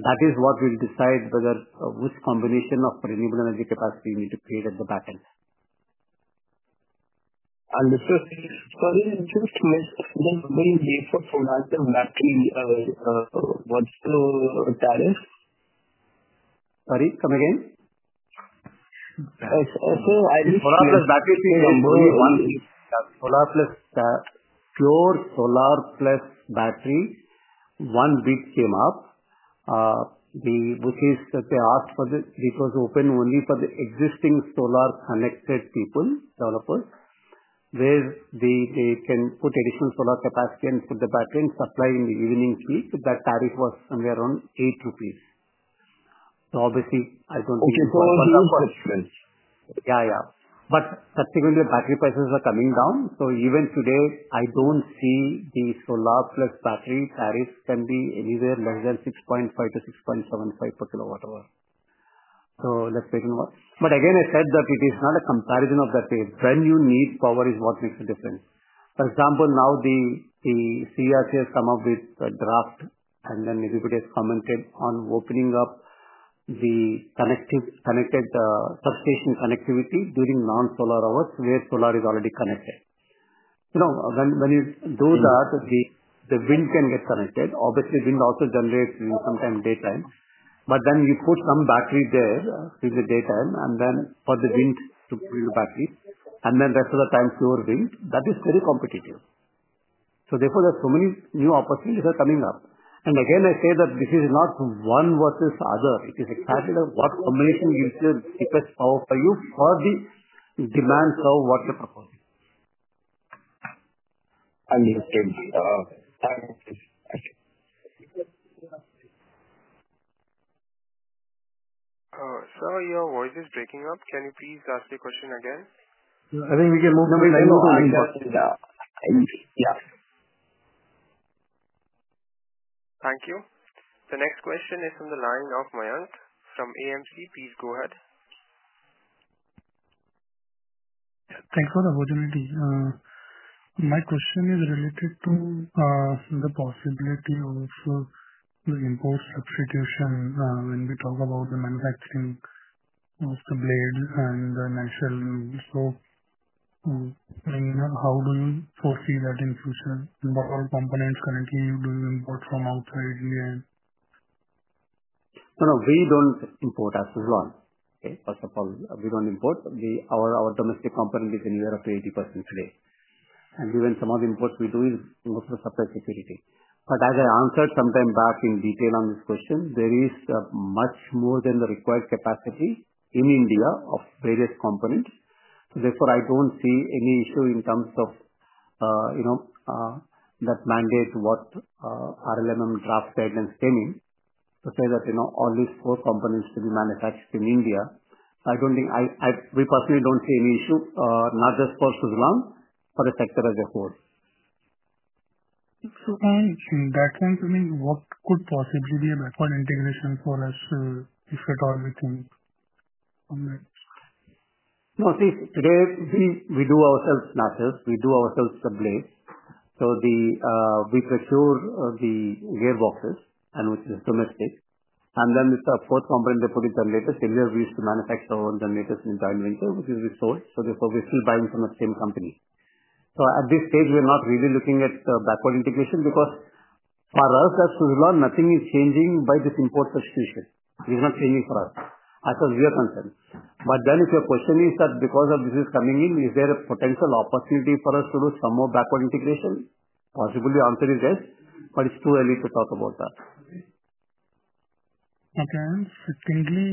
That is what will decide whether which combination of renewable energy capacity you need to create at the back end. Understood. Sorry, just to make sure, does it go in before solar plus battery, what's the tariff? Sorry? Come again? I think solar plus battery came up only one bid. Pure solar plus battery, one bid came up, which is they asked for. It was open only for the existing solar connected people, developers, where they can put additional solar capacity and put the battery and supply in the evening peak. That tariff was somewhere around 8 rupees. So obviously, I do not think. Okay. So one of the. Yeah. Yeah. But subsequently, the battery prices are coming down. So even today, I do not see the solar plus battery tariffs can be anywhere less than INR 6.5-NR 6.75 per kWh. Let's wait and watch. Again, I said that it is not a comparison in that way. When you need power is what makes the difference. For example, now the CRC has come up with a draft, and then everybody has commented on opening up the connected substation connectivity during non-solar hours where solar is already connected. When you do that, the wind can get connected. Obviously, wind also generates sometimes daytime. Then you put some battery there in the daytime and then for the wind to bring the battery. The rest of the time pure wind. That is very competitive. Therefore, there are so many new opportunities that are coming up. I say that this is not one versus the other. It is exactly what combination gives you the best power for you for the demand curve what you're proposing. Understood. Thank you. Sorry, your voice is breaking up. Can you please ask your question again? I think we can move to the line of Aruna. Yeah. Thank you. The next question is from the line of Mayank from AMC. Please go ahead. Thanks for the opportunity. My question is related to the possibility of the import substitution when we talk about the manufacturing of the blades and the initial move. How do you foresee that in future? What are the components currently you do import from outside India? No, no. We do not import as of now. Okay? First of all, we do not import. Our domestic component is anywhere up to 80% today. Even some of the imports we do is mostly for supply security. As I answered sometime back in detail on this question, there is much more than the required capacity in India of various components. Therefore, I do not see any issue in terms of that mandate what RLMM draft said and stemmed to say that only four components to be manufactured in India. I do not think we personally do not see any issue, not just for Suzlon, but the sector as a whole. On that point, I mean, what could possibly be a backward integration for us if at all we think on that? No, see, today we do ourselves snails. We do ourselves the blades. We procure the gearboxes, which is domestic. The fourth component, they put in generators. We never used to manufacture our own generators in the joint venture, which we sold. Therefore, we're still buying from the same company. At this stage, we're not really looking at backward integration because for us at Suzlon, nothing is changing by this import substitution. It is not changing for us as of your concern. If your question is that because this is coming in, is there a potential opportunity for us to do some more backward integration? Possibly the answer is yes, but it's too early to talk about that. Okay. Secondly,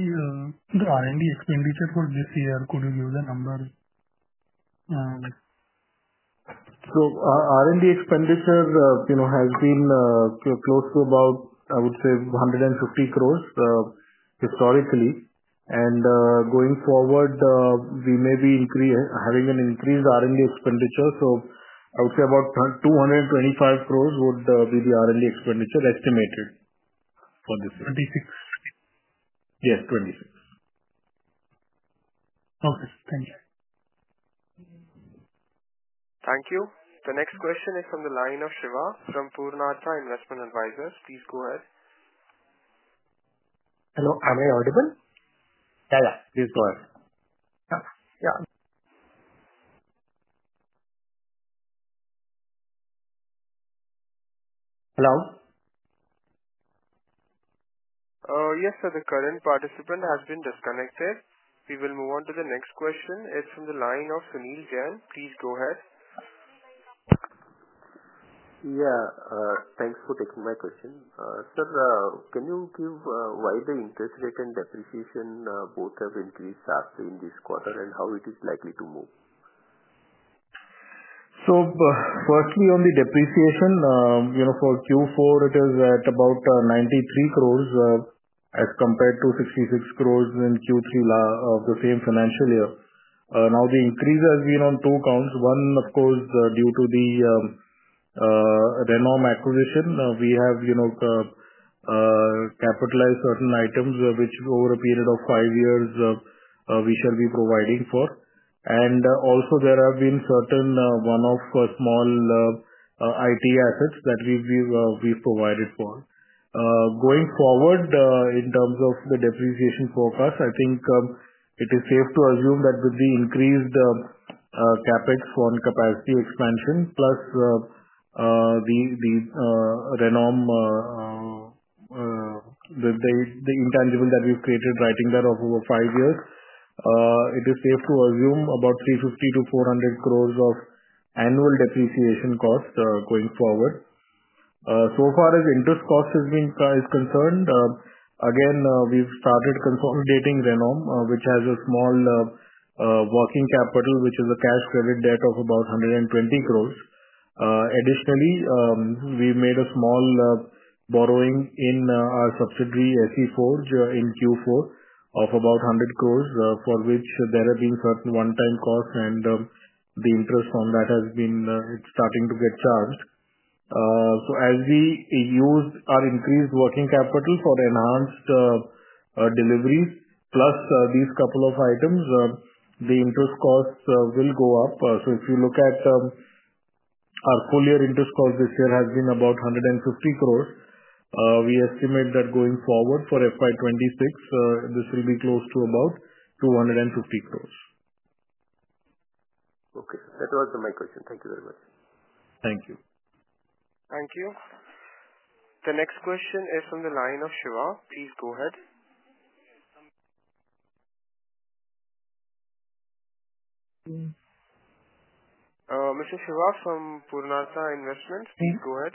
the R&D expenditure for this year, could you give the number? R&D expenditure has been close to about, I would say, INR 150 crore historically. Going forward, we may be having an increased R&D expenditure. I would say about 225 crore would be the R&D expenditure estimated for this year. 26? Yes, 26. Okay. Thank you. Thank you. The next question is from the line of Shiva from Purnartha Investment Advisers. Please go ahead. Hello. Am I audible? Yeah. Yeah. Please go ahead. Yeah. Yeah. Hello? Yes, sir. The current participant has been disconnected. We will move on to the next question. It is from the line of Sunil Jain. Please go ahead. Yeah. Thanks for taking my question. Sir, can you give why the interest rate and depreciation both have increased in this quarter and how it is likely to move? Firstly, on the depreciation, for Q4, it is at about 93 crores as compared to 66 crores in Q3 of the same financial year. The increase has been on two counts. One, of course, due to the Renom acquisition. We have capitalized certain items which over a period of five years we shall be providing for. Also, there have been certain one-off small IT assets that we've provided for. Going forward, in terms of the depreciation forecast, I think it is safe to assume that with the increased CapEx on capacity expansion plus the Renom, with the intangible that we've created writing that off over five years, it is safe to assume about 350-400 crores of annual depreciation cost going forward. As far as interest cost is concerned, again, we've started consolidating Renom, which has a small working capital, which is a cash credit debt of about 120 crore. Additionally, we made a small borrowing in our subsidiary SE Forge in Q4 of about 100 crore, for which there have been certain one-time costs, and the interest on that has been starting to get charged. As we use our increased working capital for enhanced deliveries plus these couple of items, the interest costs will go up. If you look at our full-year interest cost this year, it has been about 150 crore. We estimate that going forward for FY 2026, this will be close to about 250 crore. Okay. That was my question. Thank you very much. Thank you. Thank you. The next question is from the line of Shiva. Please go ahead. Mr. Shiva from Purnartha Investment, please go ahead.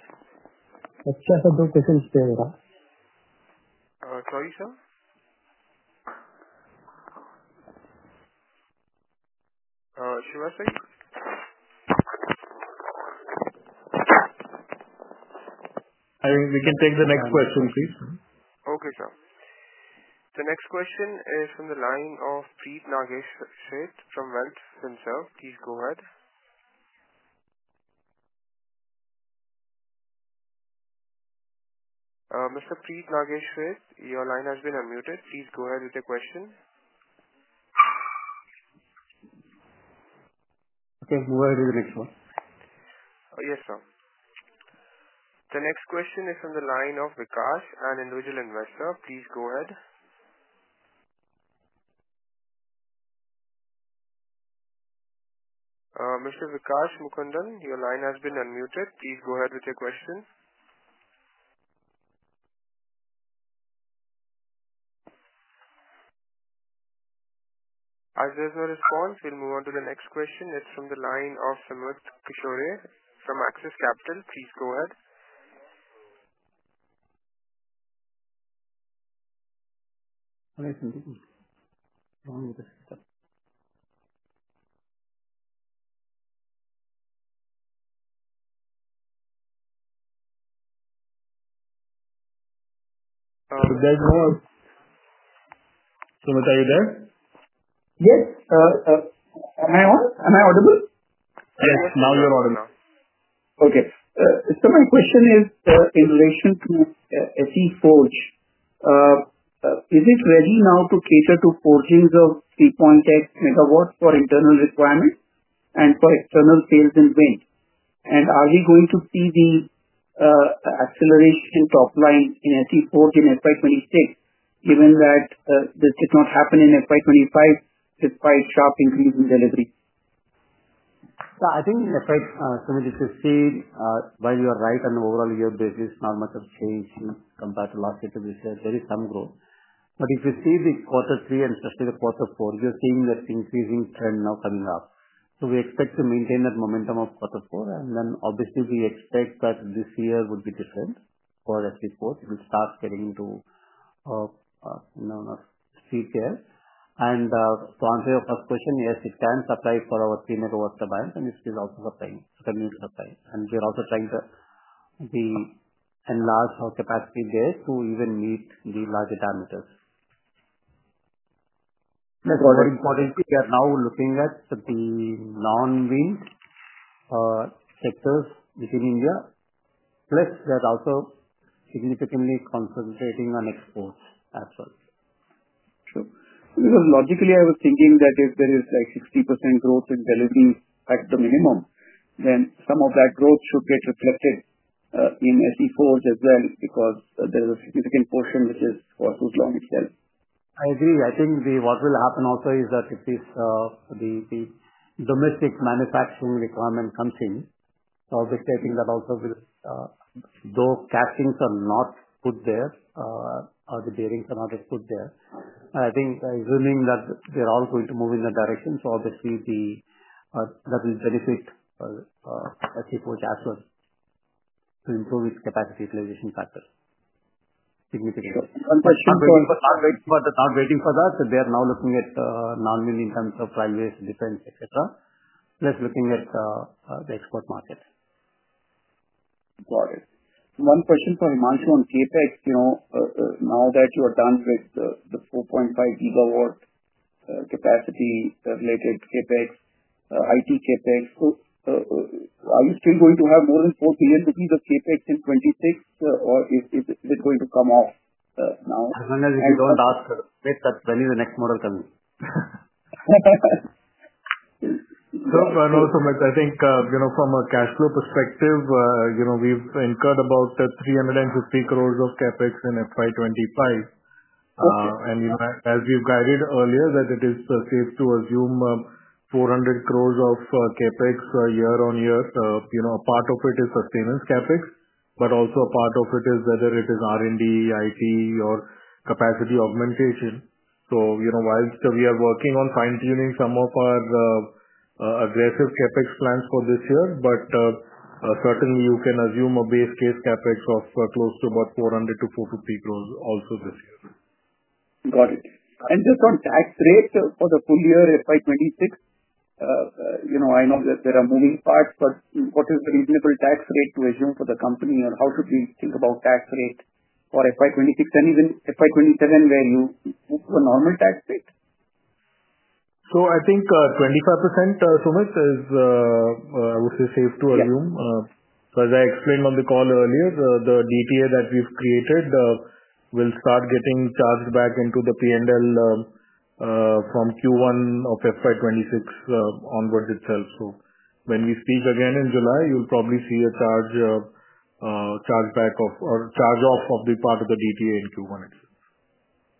Yes, sir. I have two questions to you, sir. Sorry, sir? Shiva, say. I think we can take the next question, please. Okay, sir. The next question is from the line of [Prit Nagesh Sheth] from [Venth Sinsal]. Please go ahead. Mr. [Prit Nagesh Sheth], your line has been unmuted. Please go ahead with your question. Okay. Move ahead with the next one. Yes, sir. The next question is from the line of Vikas, an individual investor. Please go ahead. Mr. Vikas Mukundan, your line has been unmuted. Please go ahead with your question. As there is no response, we will move on to the next question. It is from the line of Sumit Kishore from Axis Capital. Please go ahead. Okay. Thank you. There's no one. Sumit, are you there? Yes. Am I on? Am I audible? Yes. Now you're audible. Okay. My question is in relation to SE Forge. Is it ready now to cater to forging of 3.8 MW for internal requirement and for external sales in wind? Are we going to see the acceleration top line in SE Forge in FY 2026, given that this did not happen in FY 2025 despite sharp increase in delivery? Yeah. I think if I submit it to see, while you are right on overall year basis, not much has changed compared to last year to this year. There is some growth. If you see the quarter three and especially the quarter four, you are seeing that increasing trend now coming up. We expect to maintain that momentum of quarter four. We expect that this year would be different for SE Forge to start getting into street gear. To answer your first question, yes, it can supply for our 3-MW demand, and it is also continuing to supply. We are also trying to enlarge our capacity there to even meet the larger diameters. That's very important. We are now looking at the non-wind sectors within India, plus we are also significantly concentrating on exports as well. Sure. Because logically, I was thinking that if there is like 60% growth in delivery at the minimum, then some of that growth should get reflected in SE Forge as well because there is a significant portion which is for Suzlon itself. I agree. I think what will happen also is that if the domestic manufacturing requirement comes in, obviously, I think that also will, though castings are not put there, or the bearings are not put there, I think assuming that they are all going to move in that direction, obviously, that will benefit SE Forge as well to improve its capacity utilization factor significantly. One question for. They are not waiting for that. They are now looking at non-wind in terms of railways, defense, etc., plus looking at the export market. Got it. One question for Himanshu on CapEx. Now that you are done with the 4.5 GW capacity-related CapEx, IT CapEx, are you still going to have more than 4 billion rupees of CapEx in 2026, or is it going to come off now? As long as you don't ask for the CapEx, that's when the next model comes. No, Sumit. I think from a cash flow perspective, we've incurred about 350 crore of CapEx in FY 2025. As we've guided earlier, it is safe to assume 400 crore of CapEx year-on-year. A part of it is sustainance CapEx, but also a part of it is whether it is R&D, IT, or capacity augmentation. While we are working on fine-tuning some of our aggressive CapEx plans for this year, you can assume a base case CapEx of close to about 400-450 crore also this year. Got it. Just on tax rate for the full year FY 2026, I know that there are moving parts, but what is the reasonable tax rate to assume for the company, or how should we think about tax rate for FY 2026 and even FY 2027 where you move to a normal tax rate? I think 25%, Sumit, is, I would say, safe to assume. As I explained on the call earlier, the DTA that we have created will start getting charged back into the P&L from Q1 of FY 2026 onwards itself. When we speak again in July, you will probably see a charge back or charge off of the part of the DTA in Q1 itself.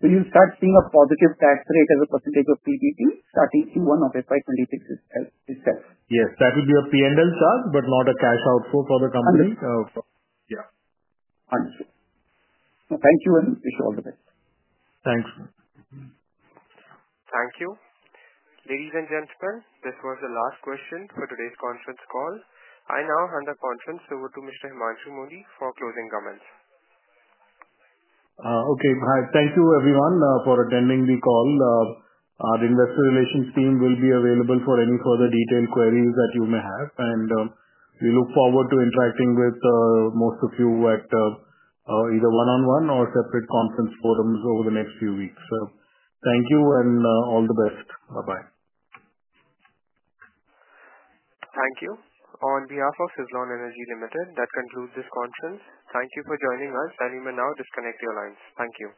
You'll start seeing a positive tax rate as a percentage of PBT starting Q1 of FY 2026 itself? Yes. That will be a P&L charge, but not a cash outflow for the company. Understood. Thank you and wish you all the best. Thanks. Thank you. Ladies and gentlemen, this was the last question for today's conference call. I now hand the conference over to Mr. Himanshu Mody for closing comments. Okay. Thank you, everyone, for attending the call. Our investor relations team will be available for any further detailed queries that you may have. We look forward to interacting with most of you at either one-on-one or separate conference forums over the next few weeks. Thank you and all the best. Bye-bye. Thank you. On behalf of Suzlon Energy Limited, that concludes this conference. Thank you for joining us, and you may now disconnect your lines. Thank you.